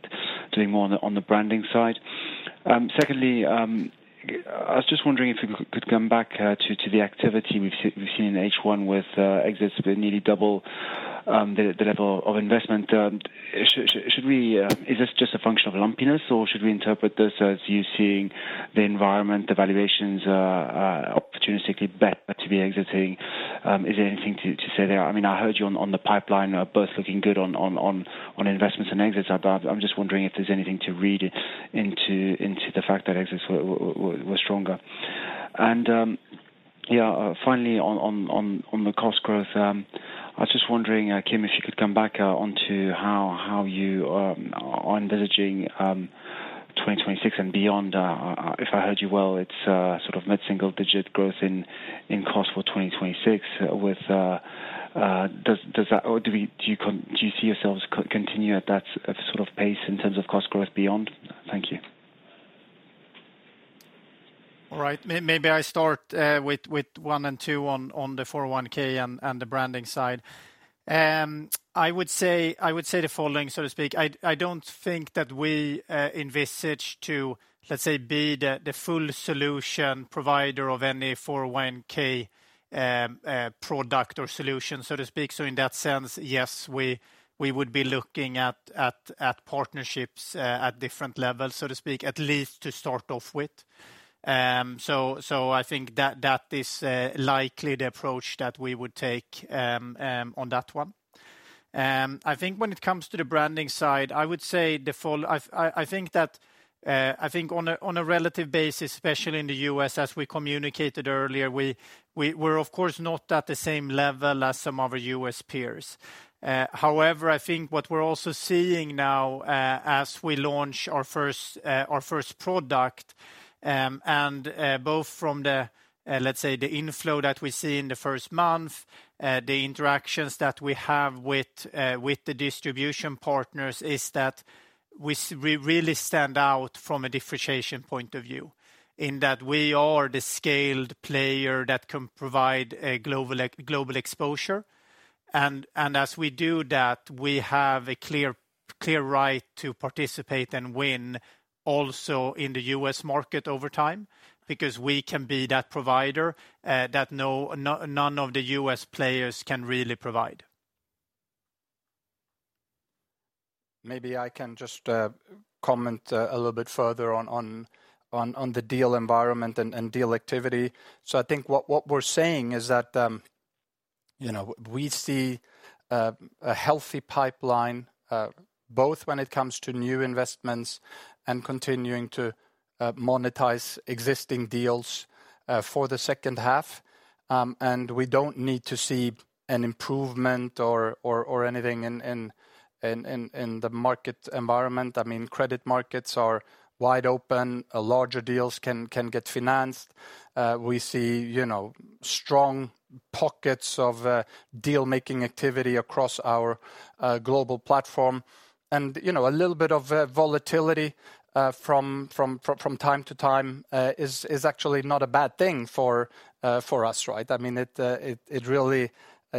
doing more on the branding side. Second, I was just wondering if we could come back to the activity we've seen in H1 with exits nearly double the level of investment. Is this just a function of lumpiness, or should we interpret this as you seeing the environment, the valuations opportunistically better to be exiting? Is there anything to say there? I mean, I heard you on the pipeline both looking good on investments and exits, but I'm just wondering if there's anything to read into the fact that exits were stronger. Yeah, finally, on the cost growth, I was just wondering, Kim, if you could come back onto how you are envisaging 2026 and beyond. If I heard you well, it's sort of mid-single digit growth in cost for 2026. Do you see yourselves continue at that sort of pace in terms of cost growth beyond? Thank you. All right. Maybe I start with one and two on the 401(k) and the branding side. I would say the following, so to speak. I don't think that we envisage to, let's say, be the full solution provider of any 401(k) product or solution, so to speak. So in that sense, yes, we would be looking at partnerships at different levels, so to speak, at least to start off with. So I think that is likely the approach that we would take on that one. I think when it comes to the branding side, I would say the following. I think on a relative basis, especially in the U.S., as we communicated earlier, we're of course not at the same level as some of our U.S. peers. However, I think what we're also seeing now as we launch our first product, and both from the, let's say, the inflow that we see in the first month, the interactions that we have with the distribution partners, is that we really stand out from a differentiation point of view in that we are the scaled player that can provide global exposure. And as we do that, we have a clear right to participate and win also in the U.S. market over time because we can be that provider that none of the U.S. players can really provide. Maybe I can just comment a little bit further on the deal environment and deal activity. So I think what we're saying is that we see a healthy pipeline, both when it comes to new investments and continuing to monetize existing deals for the second half. And we don't need to see an improvement or anything in the market environment. I mean, credit markets are wide open. Larger deals can get financed. We see strong pockets of deal-making activity across our global platform. And a little bit of volatility from. From time to time is actually not a bad thing for us, right? I mean, it really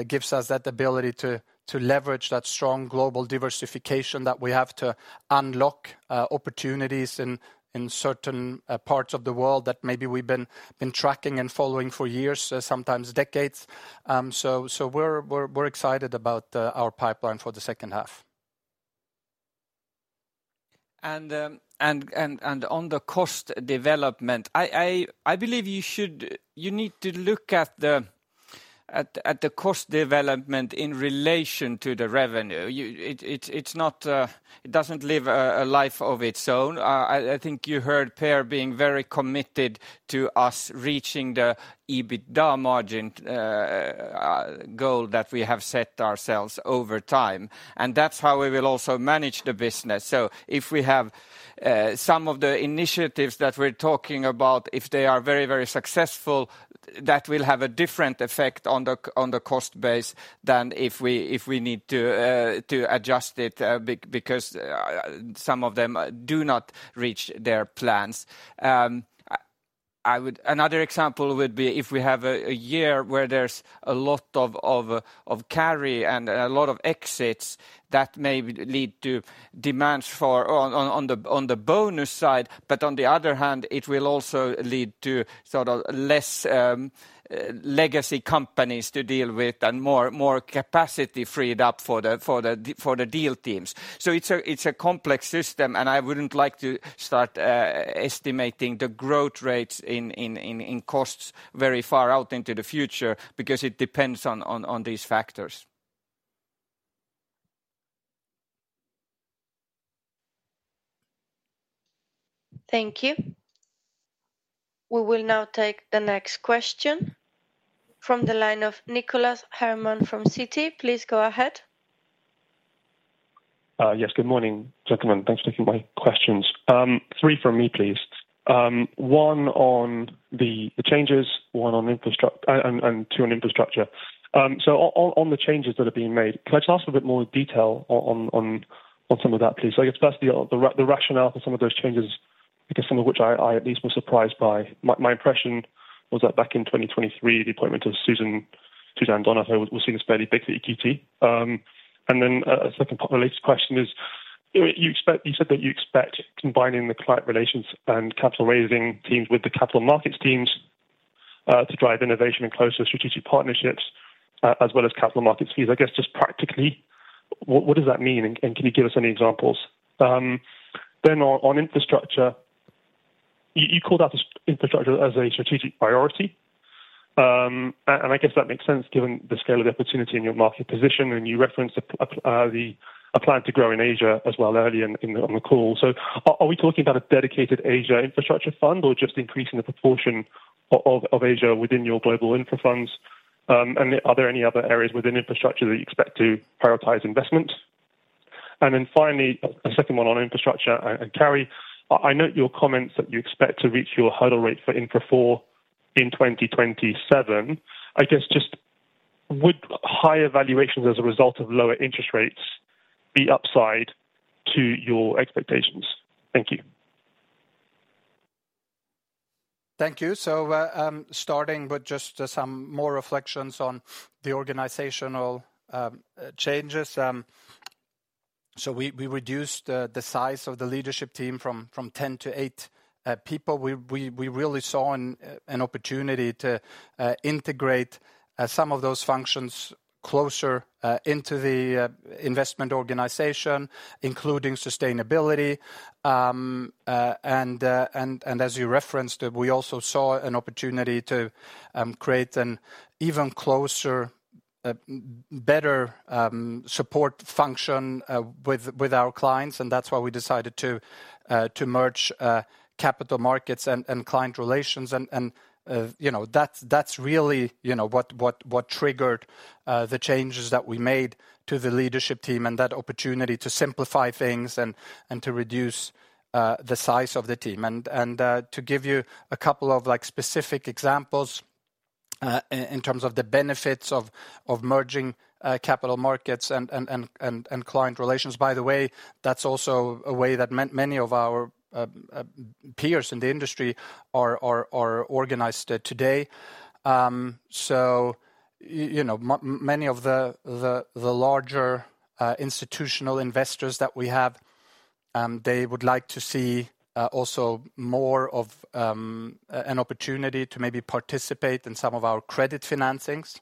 gives us that ability to leverage that strong global diversification that we have to unlock opportunities in certain parts of the world that maybe we've been tracking and following for years, sometimes decades. So we're excited about our pipeline for the second half. And on the cost development, I believe you need to look at the cost development in relation to the revenue. It doesn't live a life of its own. I think you heard Per being very committed to us reaching the EBITDA margin goal that we have set ourselves over time. And that's how we will also manage the business. So if we have some of the initiatives that we're talking about, if they are very, very successful, that will have a different effect on the cost base than if we need to adjust it because some of them do not reach their plans. Another example would be if we have a year where there's a lot of carry and a lot of exits that may lead to demands on the bonus side, but on the other hand, it will also lead to sort of less legacy companies to deal with and more capacity freed up for the deal teams. So it's a complex system, and I wouldn't like to start estimating the growth rates in costs very far out into the future because it depends on these factors. Thank you. We will now take the next question from the line of Nicholas Herman from Citi. Please go ahead. Yes, good morning, gentlemen. Thanks for taking my questions. Three from me, please. One on the changes, one on infrastructure, and two on infrastructure. So on the changes that are being made, could I just ask a bit more detail on some of that, please? So I guess first, the rationale for some of those changes, because some of which I at least was surprised by. My impression was that back in 2023, the appointment of Suzanne Donohoe was seen as fairly big for EQT. And then a second related question is you said that you expect combining the client relations and capital raising teams with the capital markets teams to drive innovation and closer strategic partnerships, as well as capital markets fees. I guess just practically, what does that mean? And can you give us any examples? Then on infrastructure. You called out infrastructure as a strategic priority. And I guess that makes sense given the scale of the opportunity in your market position. And you referenced a plan to grow in Asia as well early on the call. So are we talking about a dedicated Asia infrastructure fund or just increasing the proportion of Asia within your global infra funds? And are there any other areas within infrastructure that you expect to prioritize investment? And then finally, a second one on infrastructure and carry. I note your comments that you expect to reach your hurdle rate for infra four in 2027. I guess just would higher valuations as a result of lower interest rates be upside to your expectations? Thank you. Thank you. So starting with just some more reflections on the organizational changes. So we reduced the size of the leadership team from 10 to 8 people. We really saw an opportunity to integrate some of those functions closer into the investment organization, including sustainability. And as you referenced, we also saw an opportunity to create an even closer, better support function with our clients. And that's why we decided to merge capital markets and client relations. And that's really what triggered the changes that we made to the leadership team and that opportunity to simplify things and to reduce the size of the team. And to give you a couple of specific examples in terms of the benefits of merging capital markets and client relations. By the way, that's also a way that many of our peers in the industry are organized today. So many of the larger institutional investors that we have, they would like to see also more of an opportunity to maybe participate in some of our credit financings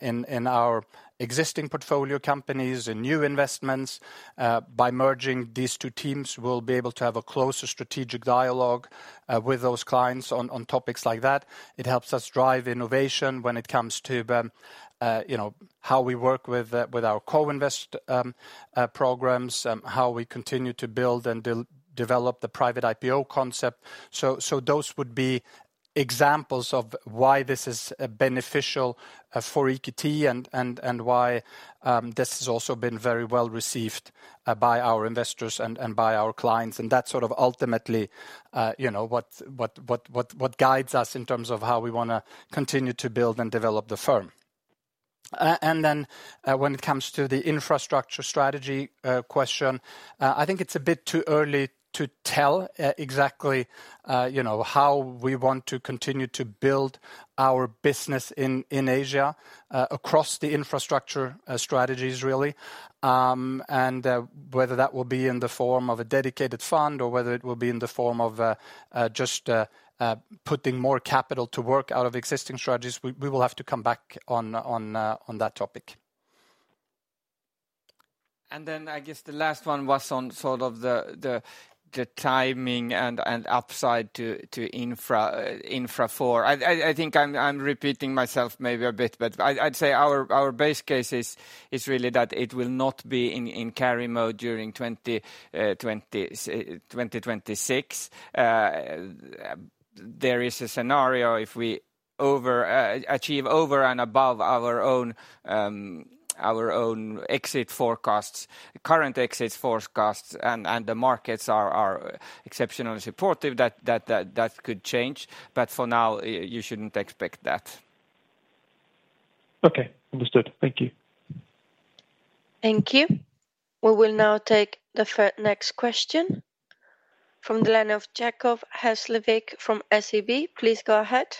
in our existing portfolio companies and new investments. By merging these two teams, we'll be able to have a closer strategic dialogue with those clients on topics like that. It helps us drive innovation when it comes to how we work with our co-invest programs, how we continue to build and develop the private IPO concept. So those would be examples of why this is beneficial for EQT and why this has also been very well received by our investors and by our clients. And that's sort of ultimately what guides us in terms of how we want to continue to build and develop the firm. And then when it comes to the infrastructure strategy question, I think it's a bit too early to tell exactly how we want to continue to build our business in Asia across the infrastructure strategies, really. And whether that will be in the form of a dedicated fund or whether it will be in the form of just putting more capital to work out of existing strategies, we will have to come back on that topic. And then I guess the last one was on sort of the timing and upside to infra four. I think I'm repeating myself maybe a bit, but I'd say our base case is really that it will not be in carry mode during 2026. There is a scenario if we achieve over and above our own exit forecasts, current exit forecasts, and the markets are exceptionally supportive, that could change. But for now, you shouldn't expect that. Okay, understood. Thank you. Thank you. We will now take the next question from the line of Jacob Hesslevik from SEB. Please go ahead.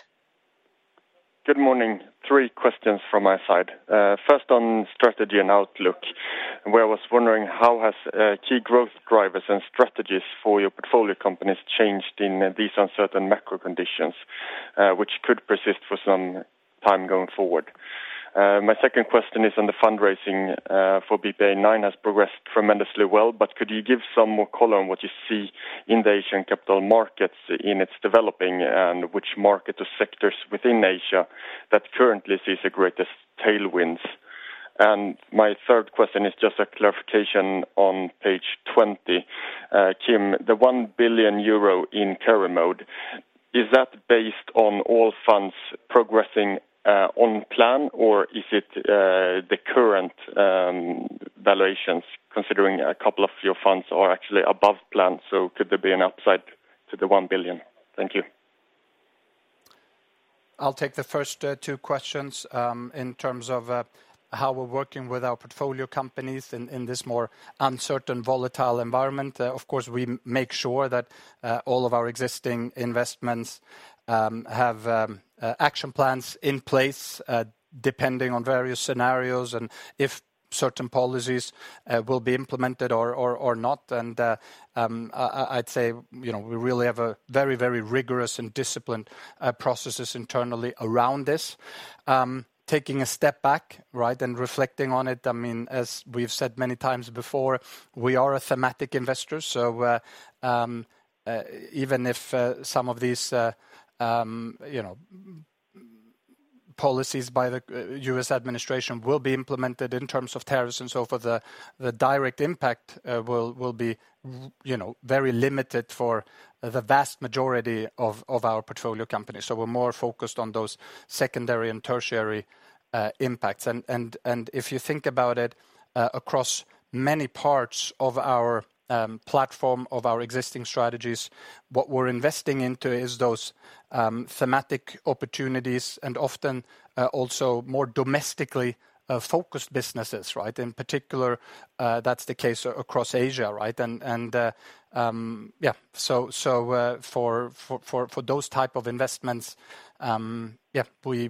Good morning. Three questions from my side. First on strategy and outlook. I was wondering how the key growth drivers and strategies for your portfolio companies have changed in these uncertain macro conditions, which could persist for some time going forward? My second question is on the fundraising for BPEA IX has progressed tremendously well, but could you give some more color on what you see in the Asian capital markets as it's developing and which market or sectors within Asia that currently sees the greatest tailwinds? And my third question is just a clarification on page 20. Kim, the 1 billion euro in carry more, is that based on all funds progressing on plan, or is it the current valuations, considering a couple of your funds are actually above plan? So could there be an upside to the 1 billion? Thank you. I'll take the first two questions in terms of how we're working with our portfolio companies in this more uncertain, volatile environment. Of course, we make sure that all of our existing investments have action plans in place depending on various scenarios and if certain policies will be implemented or not. And I'd say we really have a very, very rigorous and disciplined processes internally around this. Taking a step back, right, and reflecting on it, I mean, as we've said many times before, we are a thematic investor. So even if some of these policies by the U.S. administration will be implemented in terms of tariffs and so forth, the direct impact will be very limited for the vast majority of our portfolio companies. So we're more focused on those secondary and tertiary impacts. And if you think about it across many parts of our platform, of our existing strategies, what we're investing into is those thematic opportunities and often also more domestically focused businesses, right? In particular that's the case across Asia, right? And yeah, so for those type of investments, yeah, we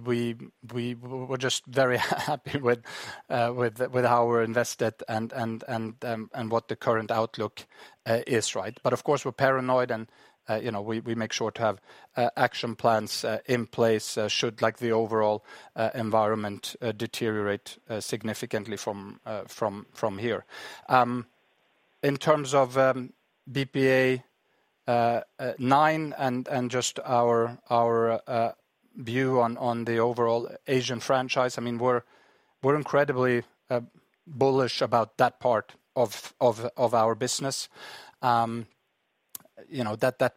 were just very happy with how we're invested and what the current outlook is, right? But of course, we're paranoid and we make sure to have action plans in place should the overall environment deteriorate significantly from here. In terms of BPEA IX and just our view on the overall Asian franchise, I mean, we're incredibly bullish about that part of our business. That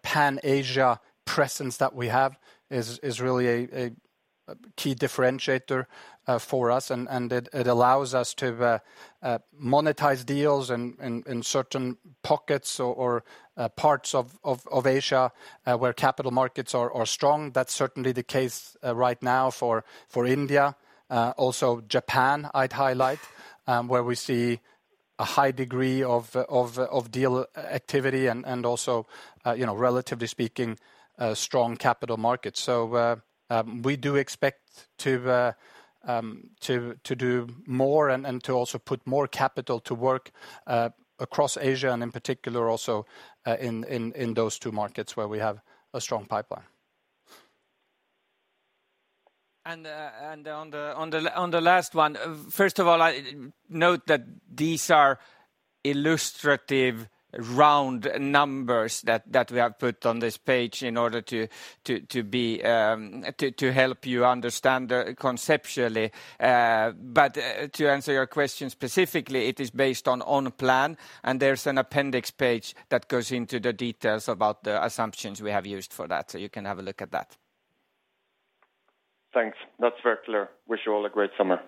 Pan-Asia presence that we have is really a key differentiator for us, and it allows us to monetize deals in certain pockets or parts of Asia where capital markets are strong. That's certainly the case right now for India. Also, Japan, I'd highlight, where we see a high degree of deal activity and also, relatively speaking, strong capital markets. So we do expect to do more and to also put more capital to work across Asia and in particular also in those two markets where we have a strong pipeline. And on the last one, first of all, I note that these are illustrative round numbers that we have put on this page in order to. Help you understand conceptually. But to answer your question specifically, it is based on plan, and there's an appendix page that goes into the details about the assumptions we have used for that. So you can have a look at that. Thanks. That's very clear. Wish you all a great summer.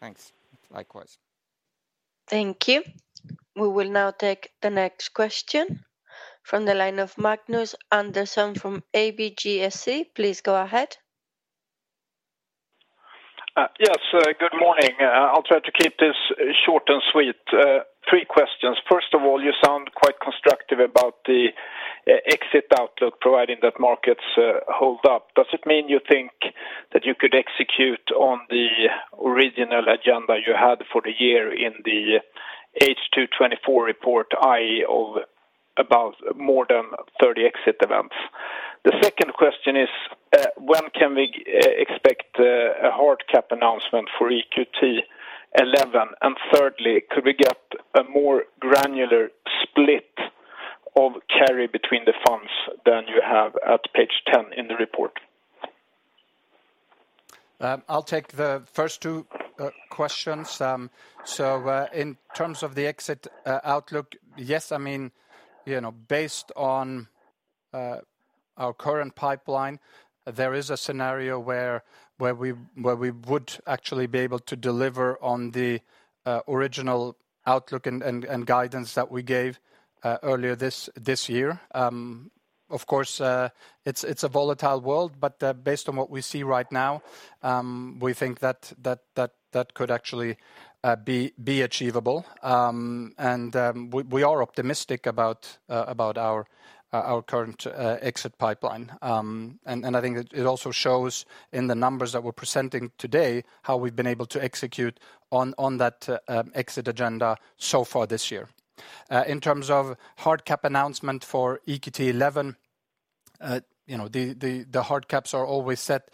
Thanks. Likewise. Thank you. We will now take the next question from the line of Magnus Andersson from ABGSC. Please go ahead. Yes, good morning. I'll try to keep this short and sweet. Three questions. First of all, you sound quite constructive about the exit outlook providing that markets hold up. Does it mean you think that you could execute on the original agenda you had for the year in the H224 report, i.e., of about more than 30 exit events? The second question is, when can we expect a hard cap announcement for EQT XI? And thirdly, could we get a more granular split of carry between the funds than you have at page 10 in the report? I'll take the first two questions. So in terms of the exit outlook, yes, I mean. Based on. Our current pipeline, there is a scenario where. We would actually be able to deliver on the. Original outlook and guidance that we gave earlier this year. Of course, it's a volatile world, but based on what we see right now. We think that. Could actually. Be achievable. And we are optimistic about. Our current exit pipeline. And I think it also shows in the numbers that we're presenting today how we've been able to execute on that exit agenda so far this year. In terms of hard cap announcement for EQT XI. The hard caps are always set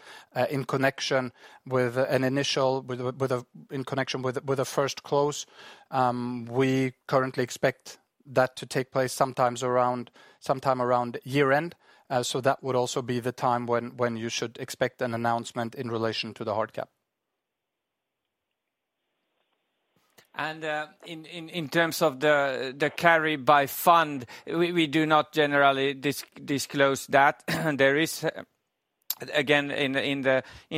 in connection with an initial. In connection with a first close we currently expect that to take place sometime. Around year-end. So that would also be the time when you should expect an announcement in relation to the hard cap. And in terms of the carry by fund, we do not generally disclose that. There is. Again, in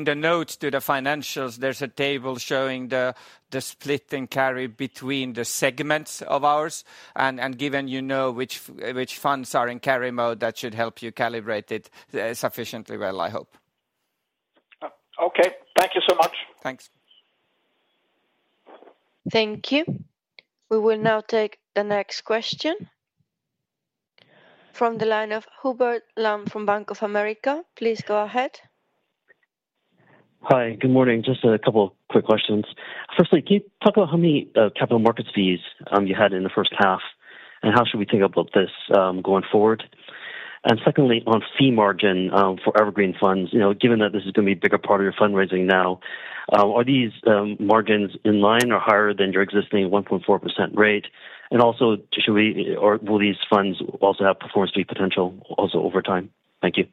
the notes to the financials, there's a table showing the split in carry between the segments of ours. And given you know which funds are in carry mode, that should help you calibrate it sufficiently well, I hope. Okay. Thank you so much. Thanks. Thank you. We will now take the next question. From the line of Hubert Lam from Bank of America. Please go ahead. Hi, good morning. Just a couple of quick questions. Firstly, can you talk about how many capital markets fees you had in the first half and how should we think about this going forward? And secondly, on fee margin forEvergreen funds, given that this is going to be a bigger part of your fundraising now, are these margins in line or higher than your existing 1.4% rate? And also, will these funds also have performance fee potential also over time? Thank you.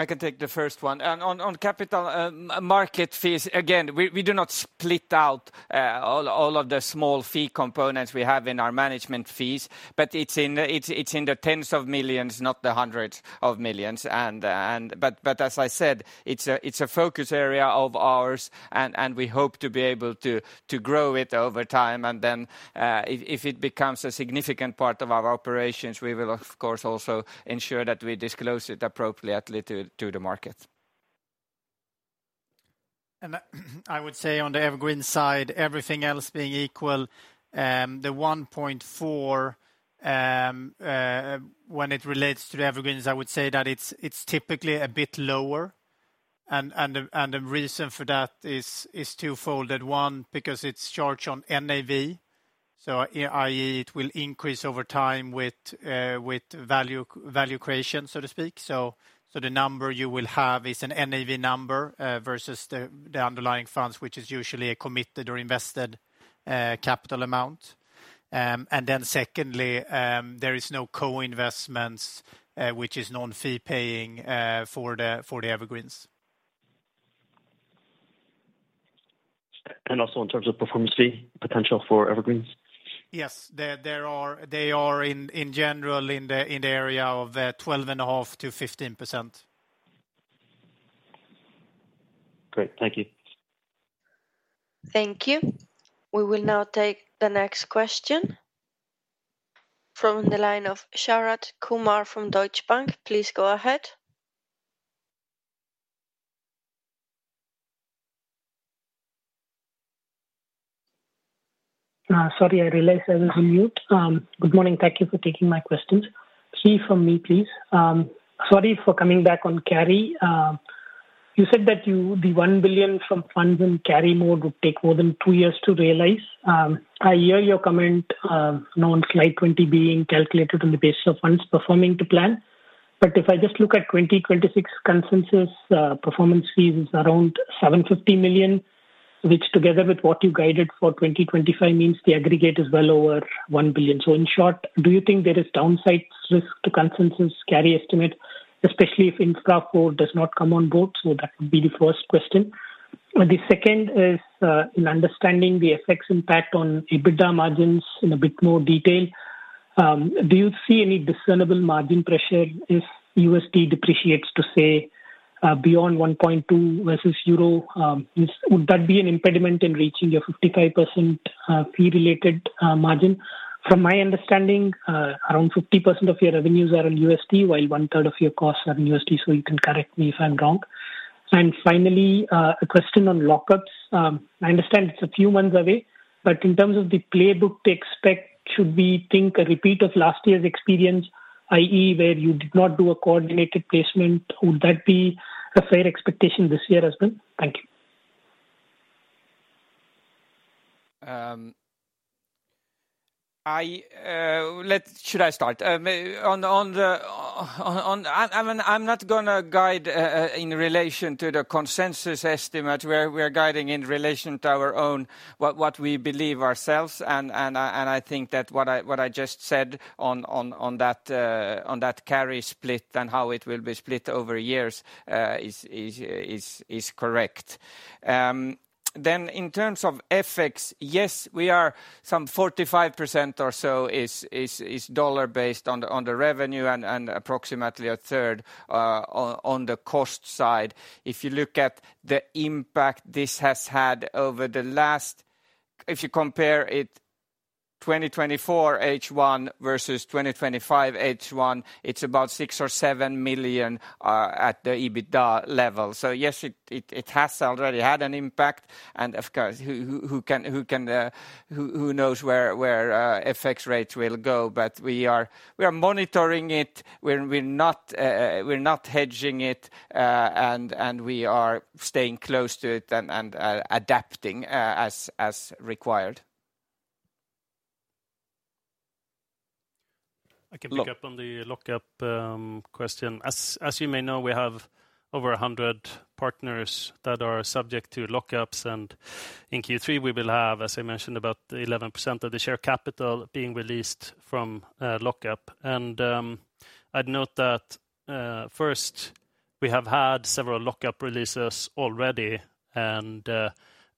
I can take the first one. On capital market fees, again, we do not split out. All of the small fee components we have in our management fees, but it's in the tens of millions, not the hundreds of millions. But as I said, it's a focus area of ours, and we hope to be able to grow it over time. And then if it becomes a significant part of our operations, we will, of course, also ensure that we disclose it appropriately to the market. And I would say on theEvergreen side, everything else being equal. The 1.4. When it relates to theEvergreens, I would say that it's typically a bit lower. And the reason for that is twofold. One, because it's charged on NAV, so i.e., it will increase over time with value creation, so to speak. So the number you will have is an NAV number versus the underlying funds, which is usually a committed or invested capital amount. And then secondly, there is no co-investments, which is non-fee paying for theEvergreens. And also in terms of performance fee potential for Evergreens? Yes, they are in general in the area of 12.5%-15%. Great. Thank you. Thank you. We will now take the next question from the line of Sharath Kumar from Deutsche Bank. Please go ahead. Sorry, I realize I was on mute. Good morning. Thank you for taking my questions. Two from me, please. Sorry for coming back on carry. You said that the 1 billion from funds in carry mode would take more than two years to realize. I hear your comment on slide 20 being calculated on the basis of funds performing to plan. But if I just look at 2026 consensus performance fees, it's around 750 million, which together with what you guided for 2025 means the aggregate is well over 1 billion. So in short, do you think there is downside risk to consensus carry estimate, especially if infra four does not come on board? So that would be the first question. The second is in understanding the effect's impact on EBITDA margins in a bit more detail. Do you see any discernible margin pressure if USD depreciates, to say beyond 1.2 versus euro? Would that be an impediment in reaching your 55% fee-related margin? From my understanding, around 50% of your revenues are in USD, while one-third of your costs are in USD. So you can correct me if I'm wrong. And finally, a question on lockups. I understand it's a few months away, but in terms of the playbook to expect, should we think a repeat of last year's experience, i.e., where you did not do a coordinated placement? Would that be a fair expectation this year as well? Thank you. Should I start? I'm not going to guide in relation to the consensus estimate. We're guiding in relation to our own, what we believe ourselves. And I think that what I just said on that. Carry split and how it will be split over years. Is correct. Then in terms of FX, yes, we are some 45% or so is dollar-based on the revenue and approximately a third on the cost side. If you look at the impact this has had over the last, if you compare it 2024 H1 versus 2025 H1, it's about 6 million-7 million at the EBITDA level. So yes, it has already had an impact. And of course, who can who knows where FX rates will go? But we are monitoring it. We're not hedging it. And we are staying close to it and adapting as required. I can pick up on the lockup question. As you may know, we have over 100 partners that are subject to lockups. And in Q3, we will have, as I mentioned, about 11% of the share capital being released from lockup. And I'd note that first, we have had several lockup releases already, and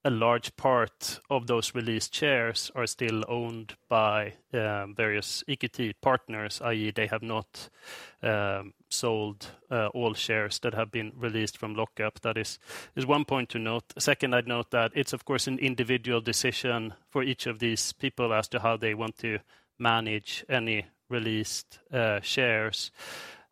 a large part of those released shares are still owned by various EQT partners, i.e., they have not sold all shares that have been released from lockup. That is one point to note. Second, I'd note that it's, of course, an individual decision for each of these people as to how they want to manage any released shares.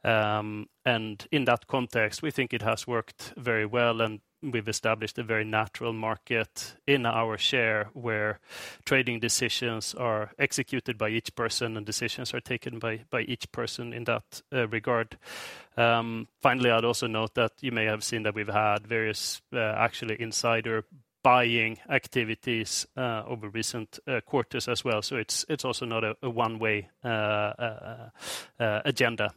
And in that context, we think it has worked very well, and we've established a very natural market in our share where trading decisions are executed by each person and decisions are taken by each person in that regard. Finally, I'd also note that you may have seen that we've had various, actually, insider buying activities over recent quarters as well. So it's also not a one-way agenda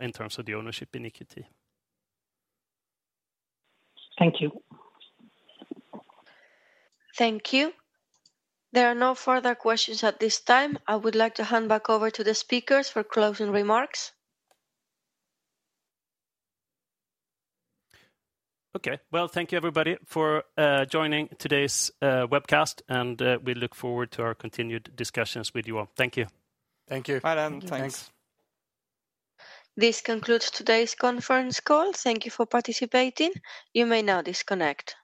in terms of the ownership in EQT. Thank you. Thank you. There are no further questions at this time. I would like to hand back over to the speakers for closing remarks. Okay. Well, thank you, everybody, for joining today's webcast, and we look forward to our continued discussions with you all. Thank you. Thank you. Bye, then. Thanks. This concludes today's conference call. Thank you for participating. You may now disconnect.